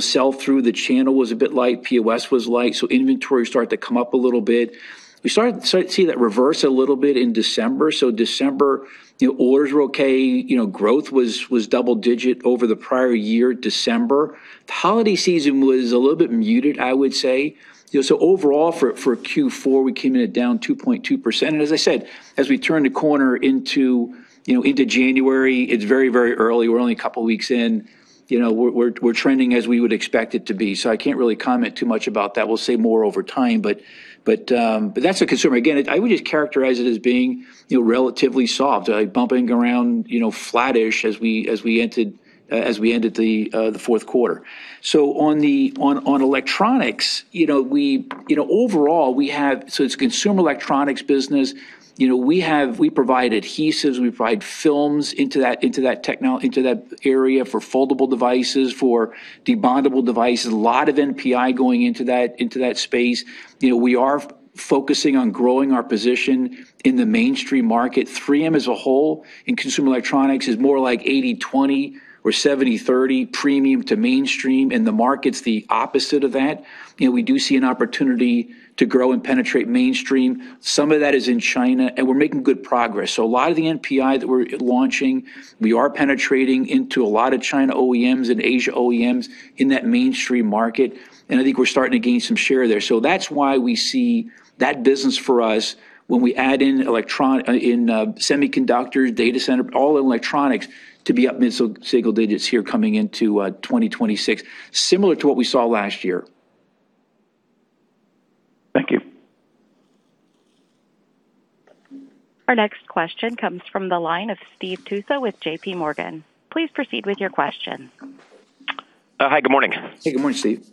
Sell-through the channel was a bit light. POS was light. So inventory started to come up a little bit. We started to see that reverse a little bit in December, so December, orders were okay. Growth was double-digit over the prior year, December. The holiday season was a little bit muted, I would say, so overall, for Q4, we came in at down 2.2%, and as I said, as we turn the corner into January, it's very, very early. We're only a couple of weeks in. We're trending as we would expect it to be, so I can't really comment too much about that. We'll say more over time, but that's a Consumer. Again, I would just characterize it as being relatively soft, bumping around, flattish as we entered the Q4, so on Electronics, overall, we have so it's a Consumer Electronics business. We provide adhesives. We provide films into that area for foldable devices, for debondable devices. A lot of NPI going into that space. We are focusing on growing our position in the mainstream market. 3M as a whole in Consumer Electronics is more like 80/20 or 70/30 premium to mainstream, and the market's the opposite of that. We do see an opportunity to grow and penetrate mainstream. Some of that is in China, and we're making good progress, so a lot of the NPI that we're launching, we are penetrating into a lot of China OEMs and Asia OEMs in that mainstream market, and I think we're starting to gain some share there, so that's why we see that business for us when we add in semiconductors, data center, all Electronics to be up mid-single digits here coming into 2026, similar to what we saw last year.
Thank you.
Our next question comes from the line of Stephen Tusa with J.P. Morgan. Please proceed with your question.
Hi. Good morning.
Hey. Good morning, Steve.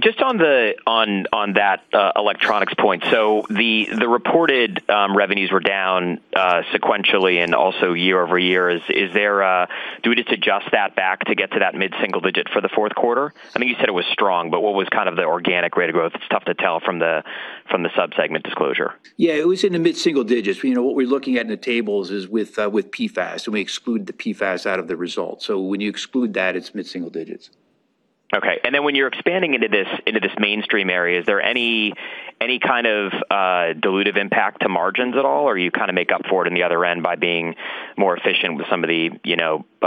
Just on that Electronics point, so the reported revenues were down sequentially and also year over year. Do we just adjust that back to get to that mid-single digit for the fQ4? I mean, you said it was strong, but what was kind of the organic rate of growth? It's tough to tell from the subsegment disclosure.
Yeah. It was in the mid-single digits. What we're looking at in the tables is with PFAS. And we exclude the PFAS out of the results. So when you exclude that, it's mid-single digits.
Okay. And then when you're expanding into this mainstream area, is there any kind of dilutive impact to margins at all? Or you kind of make up for it on the other end by being more efficient with some of the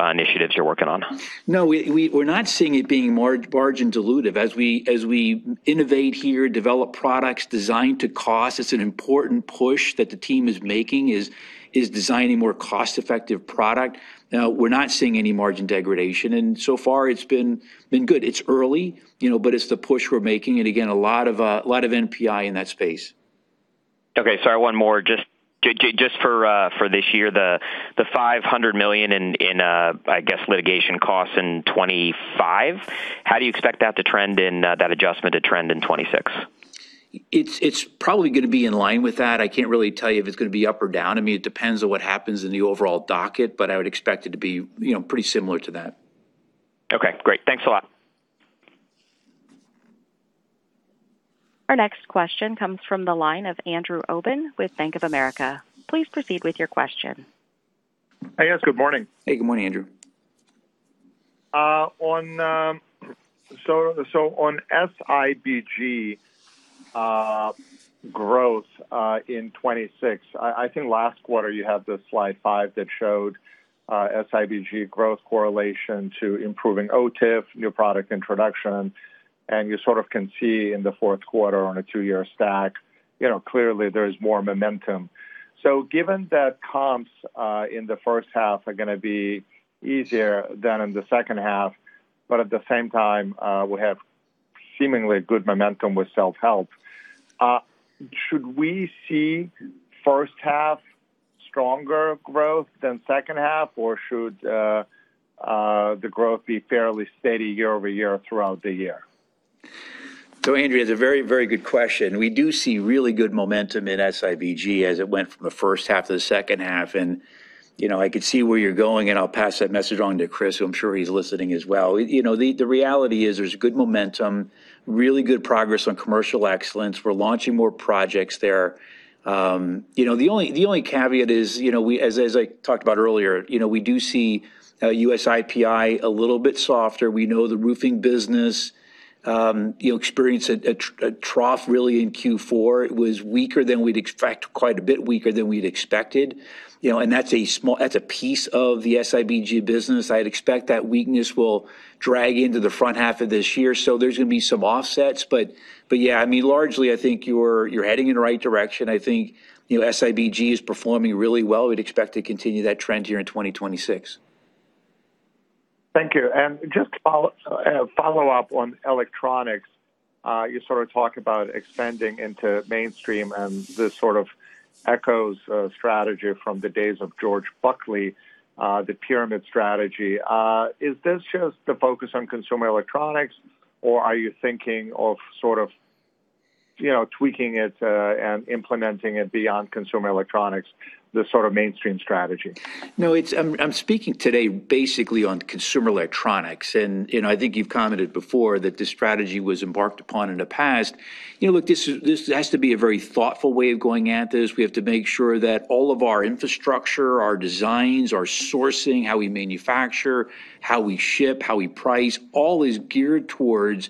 initiatives you're working on?
No. We're not seeing it being margin-dilutive. As we innovate here, develop products designed to cost, it's an important push that the team is making is designing more cost-effective product. Now, we're not seeing any margin degradation, and so far, it's been good. It's early, but it's the push we're making, and again, a lot of NPI in that space.
Okay. Sorry, one more. Just for this year, the $500 million in, I guess, litigation costs in 2025, how do you expect that to trend in that adjustment to trend in 2026?
It's probably going to be in line with that. I can't really tell you if it's going to be up or down. I mean, it depends on what happens in the overall docket, but I would expect it to be pretty similar to that.
Okay. Great. Thanks a lot.
Our next question comes from the line of Andrew Obin with Bank of America. Please proceed with your question.
Hey. Yes. Good morning.
Hey. Good morning, Andrew.
So on SIBG growth in 2026, I think last quarter you had the slide five that showed SIBG growth correlation to improving OTIF, new product introduction. And you sort of can see in the Q4 on a two-year stack, clearly, there's more momentum. So given that comps in the first half are going to be easier than in the second half, but at the same time, we have seemingly good momentum with self-help, should we see first half stronger growth than second half, or should the growth be fairly steady year over year throughout the year?
So, Andrew, that's a very, very good question. We do see really good momentum in SIBG as it went from the first half to the second half. And I could see where you're going, and I'll pass that message along to Chris, who I'm sure he's listening as well. The reality is there's good momentum, really good progress on commercial excellence. We're launching more projects there. The only caveat is, as I talked about earlier, we do see U.S. IPI a little bit softer. We know the roofing business experienced a trough really in Q4. It was weaker than we'd expect, quite a bit weaker than we'd expected. And that's a piece of the SIBG business. I'd expect that weakness will drag into the front half of this year. So there's going to be some offsets. But yeah, I mean, largely, I think you're heading in the right direction. I think SIBG is performing really well. We'd expect to continue that trend here in 2026. Thank you.
And just to follow up on Electronics, you sort of talk about expanding into mainstream and this sort of echoes strategy from the days of George Buckley, the pyramid strategy. Is this just the focus on Consumer Electronics, or are you thinking of sort of tweaking it and implementing it beyond Consumer Electronics, the sort of mainstream strategy?
No. I'm speaking today basically on Consumer Electronics. And I think you've commented before that this strategy was embarked upon in the past. Look, this has to be a very thoughtful way of going at this. We have to make sure that all of our infrastructure, our designs, our sourcing, how we manufacture, how we ship, how we price, all is geared towards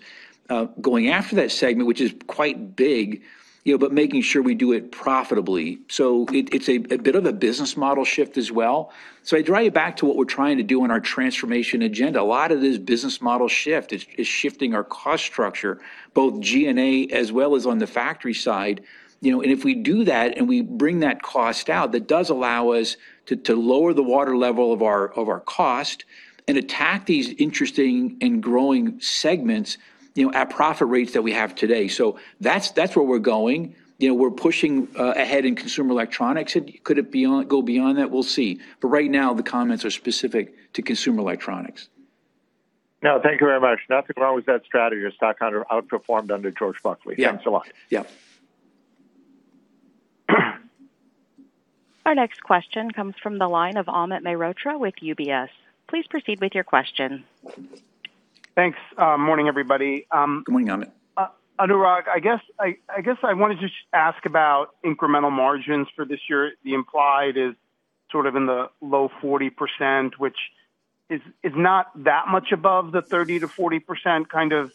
going after that segment, which is quite big, but making sure we do it profitably. So it's a bit of a business model shift as well. So I draw you back to what we're trying to do on our transformation agenda. A lot of this business model shift is shifting our cost structure, both G&A as well as on the factory side. And if we do that and we bring that cost out, that does allow us to lower the water level of our cost and attack these interesting and growing segments at profit rates that we have today. So that's where we're going. We're pushing ahead in Consumer Electronics. Could it go beyond that? We'll see. But right now, the comments are specific to Consumer Electronics.
No. Thank you very much. Nothing wrong with that strategy. Your stock outperformed under George Buckley. Thanks a lot.
Yeah. Yeah.
Our next question comes from the line of Amit Mehrotra with UBS. Please proceed with your question.
Thanks. Morning, everybody.
Good morning, Amit.
Anurag, I guess I wanted to ask about incremental margins for this year. The implied is sort of in the low 40%, which is not that much above the 30%-40% kind of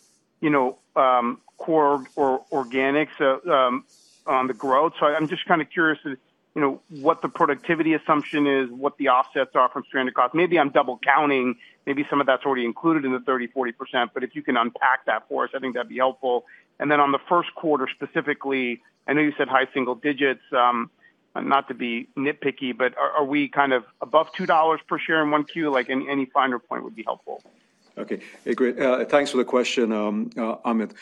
core organics on the growth. So I'm just kind of curious what the productivity assumption is, what the offsets are from stranded costs. Maybe I'm double counting. Maybe some of that's already included in the 30%-40%. But if you can unpack that for us, I think that'd be helpful. And then on the Q1 specifically, I know you said high single digits, not to be nitpicky, but are we kind of above $2 per share in Q1? Any finer point would be helpful.
Okay. Hey. Great. Thanks for the question, Amit.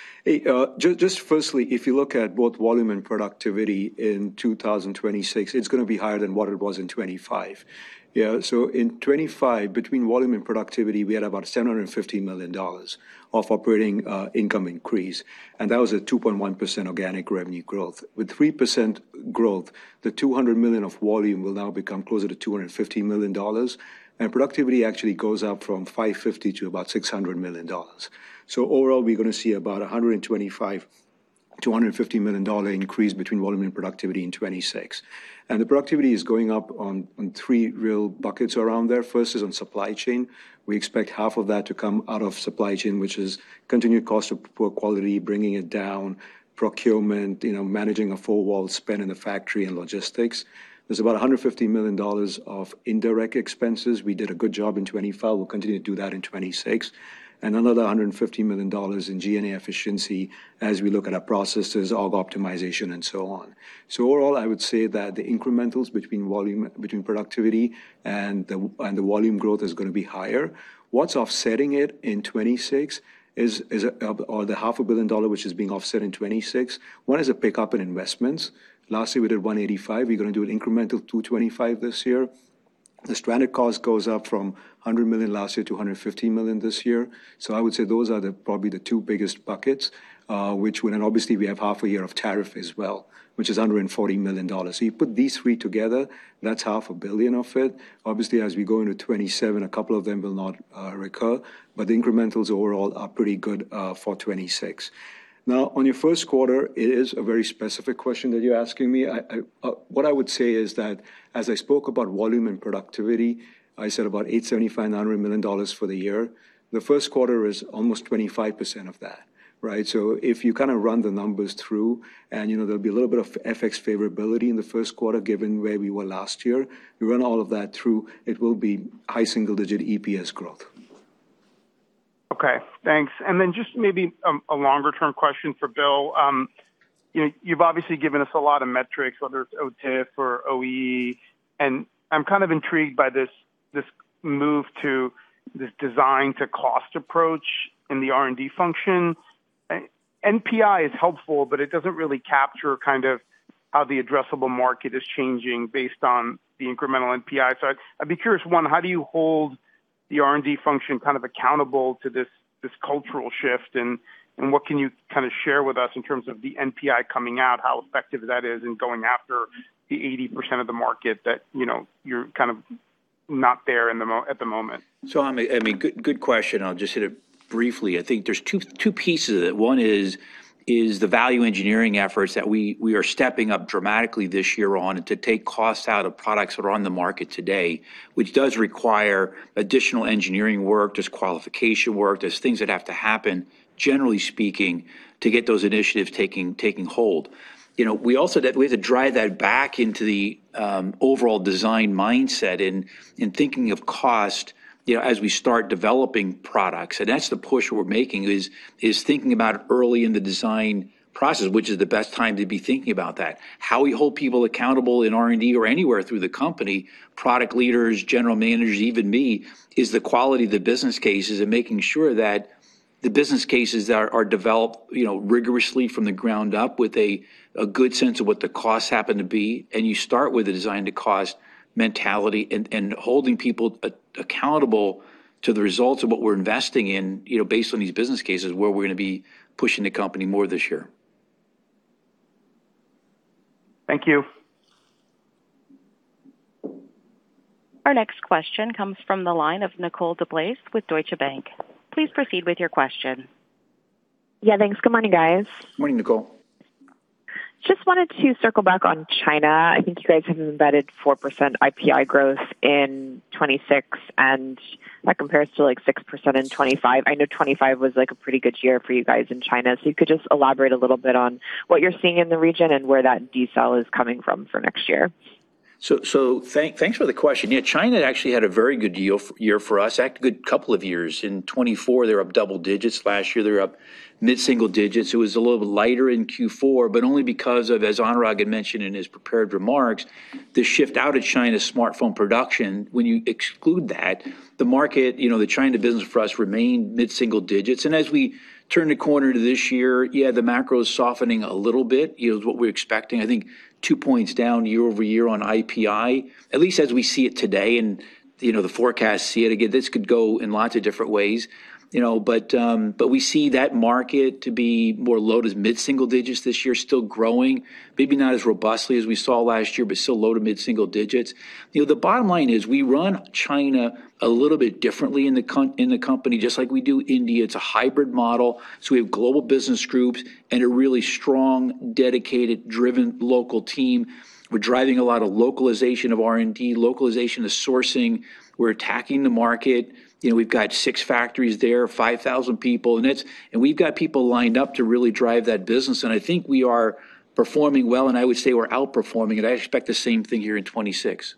Just firstly, if you look at both volume and productivity in 2026, it's going to be higher than what it was in 2025. Yeah. So in 2025, between volume and productivity, we had about $750 million of operating income increase. And that was a 2.1% organic revenue growth. With 3% growth, the $200 million of volume will now become closer to $250 million. And productivity actually goes up from $550 million to about $600 million. So overall, we're going to see about a $125 to $150 million increase between volume and productivity in 2026. And the productivity is going up on three real buckets around there. First is on supply chain. We expect half of that to come out of supply chain, which is continued cost of poor quality, bringing it down, procurement, managing a four- wall spend in the factory and logistics. There's about $150 million of indirect expenses. We did a good job in 2025. We'll continue to do that in 2026, and another $150 million in G&A efficiency as we look at our processes, AI optimization, and so on. Overall, I would say that the incrementals between productivity and the volume growth is going to be higher. What's offsetting it in 2026 is the $500 million which is being offset in 2026. One is a pickup in investments. Last year, we did $185 million. We're going to do an incremental $225 million this year. The stranded cost goes up from $100 million last year to $150 million this year. I would say those are probably the two biggest buckets, which would then obviously we have half a year of tariff as well, which is $140 million. You put these three together, that's $500 million of it. Obviously, as we go into 2027, a couple of them will not recur. But the incrementals overall are pretty good for 2026. Now, on your Q1, it is a very specific question that you're asking me. What I would say is that as I spoke about volume and productivity, I said about $875 million for the year. The Q1 is almost 25% of that, right? So if you kind of run the numbers through, and there'll be a little bit of FX favorability in the Q1 given where we were last year, we run all of that through, it will be high single-digit EPS growth.
Okay. Thanks. And then just maybe a longer-term question for Bill. You've obviously given us a lot of metrics, whether it's OTIF or OEE. And I'm kind of intrigued by this move to this Design-to-Cost approach in the R&D function. NPI is helpful, but it doesn't really capture kind of how the addressable market is changing based on the incremental NPI. So I'd be curious, one, how do you hold the R&D function kind of accountable to this cultural shift? And what can you kind of share with us in terms of the NPI coming out, how effective that is in going after the 80% of the market that you're kind of not there at the moment?
So, I mean, good question. I'll just hit it briefly. I think there's two pieces of it. One is the value engineering efforts that we are stepping up dramatically this year on to take costs out of products that are on the market today, which does require additional engineering work. There's qualification work. There's things that have to happen, generally speaking, to get those initiatives taking hold. We have to drive that back into the overall design mindset and thinking of cost as we start developing products. And that's the push we're making is thinking about early in the design process, which is the best time to be thinking about that. How we hold people accountable in R&D or anywhere through the company, product leaders, general managers, even me, is the quality of the business cases and making sure that the business cases are developed rigorously from the ground up with a good sense of what the costs happen to be. And you start with a design-to-cost mentality and holding people accountable to the results of what we're investing in based on these business cases where we're going to be pushing the company more this year.
Thank you.
Our next question comes from the line of Nicole DeBlase with Deutsche Bank. Please proceed with your question.
Yeah. Thanks. Good morning, guys.
Morning, Nicole.
Just wanted to circle back on China. I think you guys have embedded 4% IPI growth in 2026, and that compares to like 6% in 2025. I know 2025 was like a pretty good year for you guys in China. So you could just elaborate a little bit on what you're seeing in the region and where that decel is coming from for next year.
So thanks for the question. Yeah. China actually had a very good year for us. Actually, a good couple of years. In 2024, they were up double digits. Last year, they were up mid-single digits. It was a little lighter in Q4, but only because of, as Anurag had mentioned in his prepared remarks, the shift out of China's smartphone production. When you exclude that, the market, the China business for us remained mid-single digits. And as we turn the corner to this year, yeah, the macro is softening a little bit. It was what we're expecting. I think two points down year over year on IPI, at least as we see it today and the forecasts see it. Again, this could go in lots of different ways. But we see that market to be more low to mid-single digits this year, still growing, maybe not as robustly as we saw last year, but still low to mid-single digits. The bottom line is we run China a little bit differently in the company, just like we do India. It's a hybrid model. So we have global business groups and a really strong, dedicated, driven local team. We're driving a lot of localization of R&D, localization of sourcing. We're attacking the market. We've got six factories there, 5,000 people. We've got people lined up to really drive that business. I think we are performing well, and I would say we're outperforming. I expect the same thing here in 2026.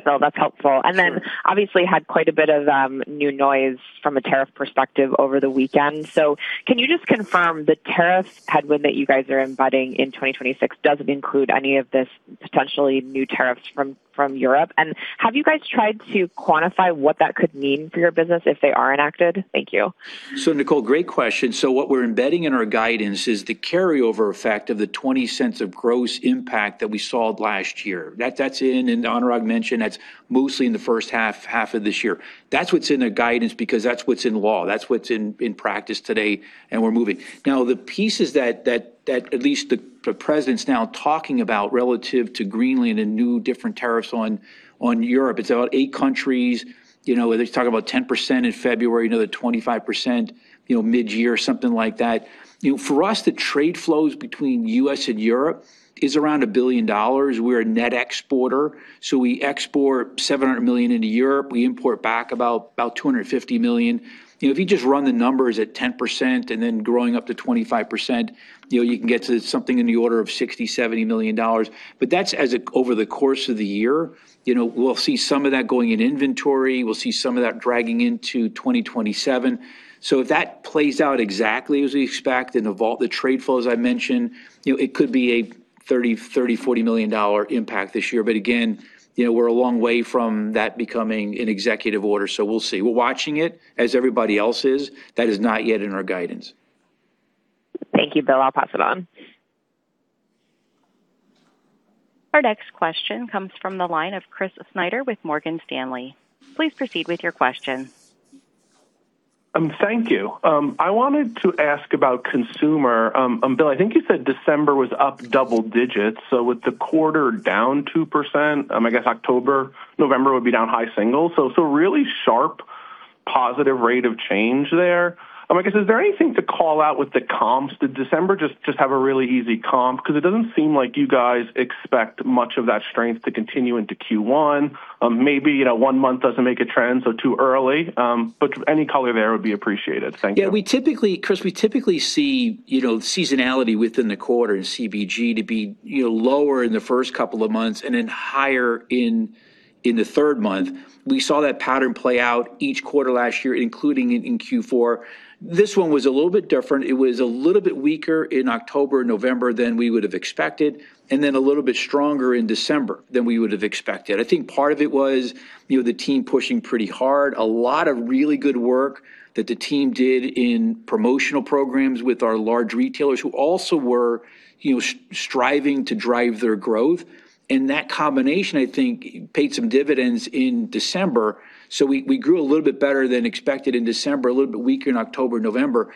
Thanks, Bill. That's helpful. Then obviously had quite a bit of new noise from a tariff perspective over the weekend. So can you just confirm the tariff headwind that you guys are embedding in 2026 doesn't include any of this potentially new tariffs from Europe? And have you guys tried to quantify what that could mean for your business if they are enacted? Thank you.
So, Nicole, great question. So what we're embedding in our guidance is the carryover effect of the $0.20 of gross impact that we saw last year. That's in, and Anurag mentioned, that's mostly in the first half of this year. That's what's in the guidance because that's what's in law. That's what's in practice today, and we're moving. Now, the pieces that at least the president's now talking about relative to Greenland and new different tariffs on Europe, it's about eight countries. They talk about 10% in February, another 25% mid-year, something like that. For us, the trade flows between the U.S. and Europe is around $1 billion. We're a net exporter, so we export $700 million into Europe. We import back about $250 million. If you just run the numbers at 10% and then growing up to 25%, you can get to something in the order of $60-$70 million. But that's over the course of the year. We'll see some of that going in inventory. We'll see some of that dragging into 2027. So if that plays out exactly as we expect and evolve the trade flows I mentioned, it could be a $30-$40 million impact this year. But again, we're a long way from that becoming an executive order, so we'll see. We're watching it as everybody else is. That is not yet in our guidance.
Thank you, Bill. I'll pass it on.
Our next question comes from the line of Chris Snyder with Morgan Stanley. Please proceed with your question.
Thank you. I wanted to ask about Consumer. Bill, I think you said December was up double digits. So with the quarter down 2%, I guess October, November would be down high single. So really sharp positive rate of change there. I guess, is there anything to call out with the comps? Did December just have a really easy comp? Because it doesn't seem like you guys expect much of that strength to continue into Q1. Maybe one month doesn't make a trend, so too early, but any color there would be appreciated. Thank you.
Yeah. Chris, we typically see seasonality within the quarter in CBG to be lower in the first couple of months and then higher in the third month. We saw that pattern play out each quarter last year, including in Q4. This one was a little bit different. It was a little bit weaker in October and November than we would have expected, and then a little bit stronger in December than we would have expected. I think part of it was the team pushing pretty hard. A lot of really good work that the team did in promotional programs with our large retailers who also were striving to drive their growth. And that combination, I think, paid some dividends in December. So we grew a little bit better than expected in December, a little bit weaker in October and November.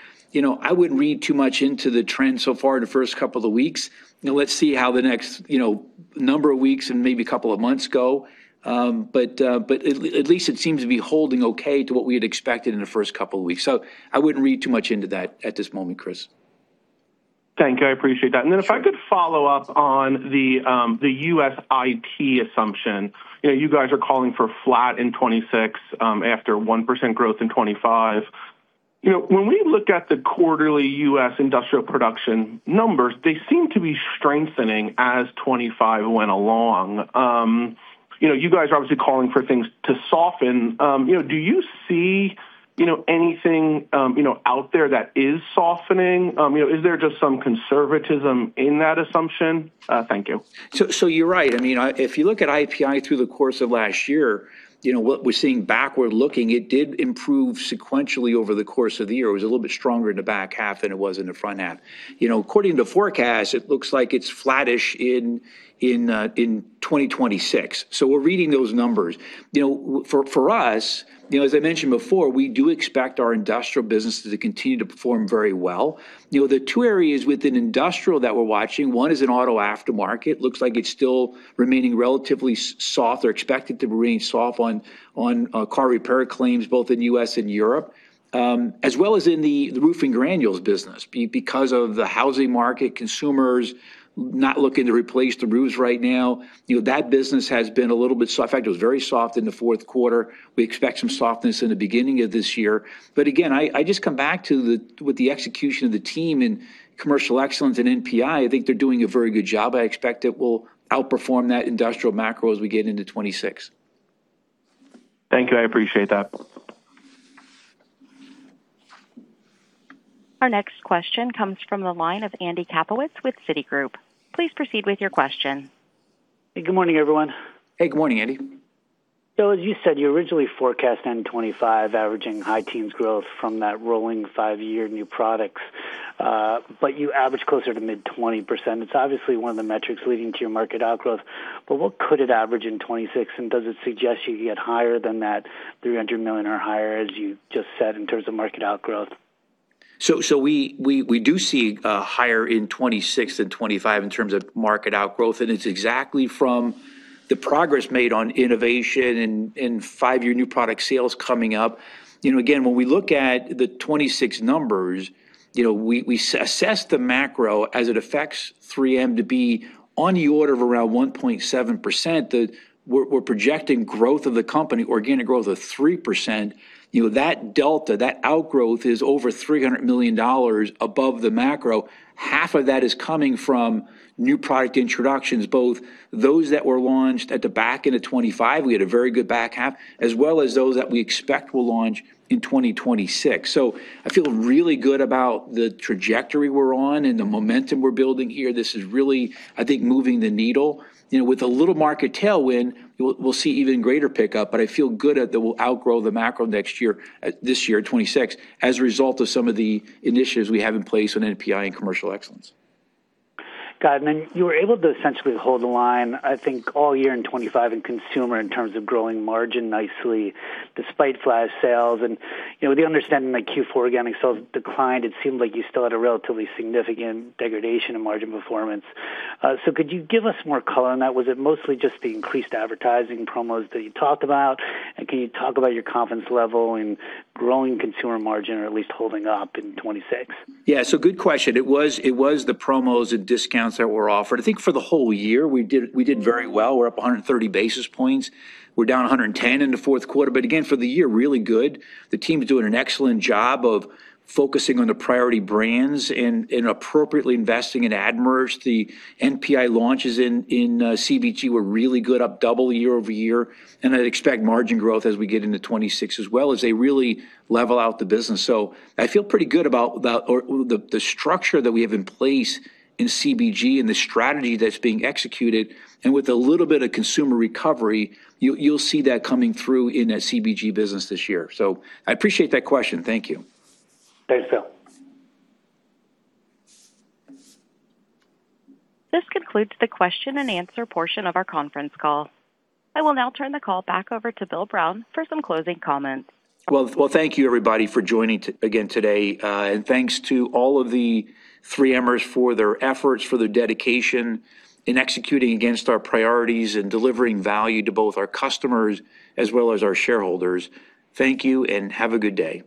I wouldn't read too much into the trend so far in the first couple of weeks. Let's see how the next number of weeks and maybe a couple of months go. But at least it seems to be holding okay to what we had expected in the first couple of weeks. So I wouldn't read too much into that at this moment, Chris.
Thank you. I appreciate that. And then if I could follow up on the U.S. IPI assumption, you guys are calling for flat in 2026 after 1% growth in 2025. When we look at the quarterly U.S. industrial production numbers, they seem to be strengthening as 2025 went along. You guys are obviously calling for things to soften. Do you see anything out there that is softening? Is there just some conservatism in that assumption? Thank you.
So you're right. I mean, if you look at IPI through the course of last year, what we're seeing backward looking, it did improve sequentially over the course of the year. It was a little bit stronger in the back half than it was in the front half. According to forecasts, it looks like it's flattish in 2026. So we're reading those numbers. For us, as I mentioned before, we do expect our industrial businesses to continue to perform very well. The two areas within industrial that we're watching, one is an auto aftermarket. Looks like it's still remaining relatively soft or expected to remain soft on car repair claims both in the U.S. and Europe, as well as in the roofing granules business. Because of the housing market, consumers not looking to replace the roofs right now, that business has been a little bit soft. In fact, it was very soft in the Q4. We expect some softness in the beginning of this year. But again, I just come back to with the execution of the team and commercial excellence and NPI, I think they're doing a very good job. I expect it will outperform that industrial macro as we get into 2026.
Thank you. I appreciate that.
Our next question comes from the line of Andrew Kaplowitz with Citigroup. Please proceed with your question.
Hey, good morning, everyone.
Hey, good morning, Andy.
So as you said, you originally forecast 2025 averaging high teens growth from that rolling five-year new products, but you averaged closer to mid-20%. It's obviously one of the metrics leading to your market outgrowth, but what could it average in 2026? And does it suggest you get higher than that $300 million or higher, as you just said, in terms of market outgrowth?
So we do see higher in 2026 than 2025 in terms of market outgrowth. And it's exactly from the progress made on innovation and five-year new product sales coming up. Again, when we look at the 2026 numbers, we assess the macro as it affects 3M to be on the order of around 1.7%. We're projecting growth of the company, organic growth of 3%. That delta, that outgrowth is over $300 million above the macro. Half of that is coming from new product introductions, both those that were launched at the back end of 2025, we had a very good back half, as well as those that we expect will launch in 2026. So I feel really good about the trajectory we're on and the momentum we're building here. This is really, I think, moving the needle. With a little market tailwind, we'll see even greater pickup, but I feel good that we'll outgrow the macro this year, 2026, as a result of some of the initiatives we have in place on NPI and commercial excellence.
Got it. And then you were able to essentially hold the line, I think, all year in 2025 in Consumer in terms of growing margin nicely despite flash sales. With the understanding that Q4 organic sales declined, it seemed like you still had a relatively significant degradation in margin performance. So could you give us more color on that? Was it mostly just the increased advertising promos that you talked about? And can you talk about your confidence level in growing Consumer margin or at least holding up in 2026?
Yeah. So good question. It was the promos and discounts that were offered. I think for the whole year, we did very well. We're up 130 basis points. We're down 110 in the Q4. But again, for the year, really good. The team is doing an excellent job of focusing on the priority brands and appropriately investing in media. The NPI launches in CBG were really good, up double year over year. And I'd expect margin growth as we get into 2026 as well as they really level out the business. So I feel pretty good about the structure that we have in place in CBG and the strategy that's being executed. And with a little bit of Consumer recovery, you'll see that coming through in that CBG business this year. So I appreciate that question. Thank you.
Thanks, Bill.
This concludes the question and answer portion of our conference call. I will now turn the call back over to Bill Brown for some closing comments.
Well, thank you, everybody, for joining again today. And thanks to all of the 3Mers for their efforts, for their dedication in executing against our priorities and delivering value to both our customers as well as our shareholders. Thank you and have a good day.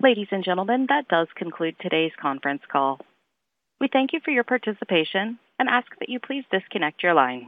Ladies and gentlemen, that does conclude today's conference call. We thank you for your participation and ask that you please disconnect your line.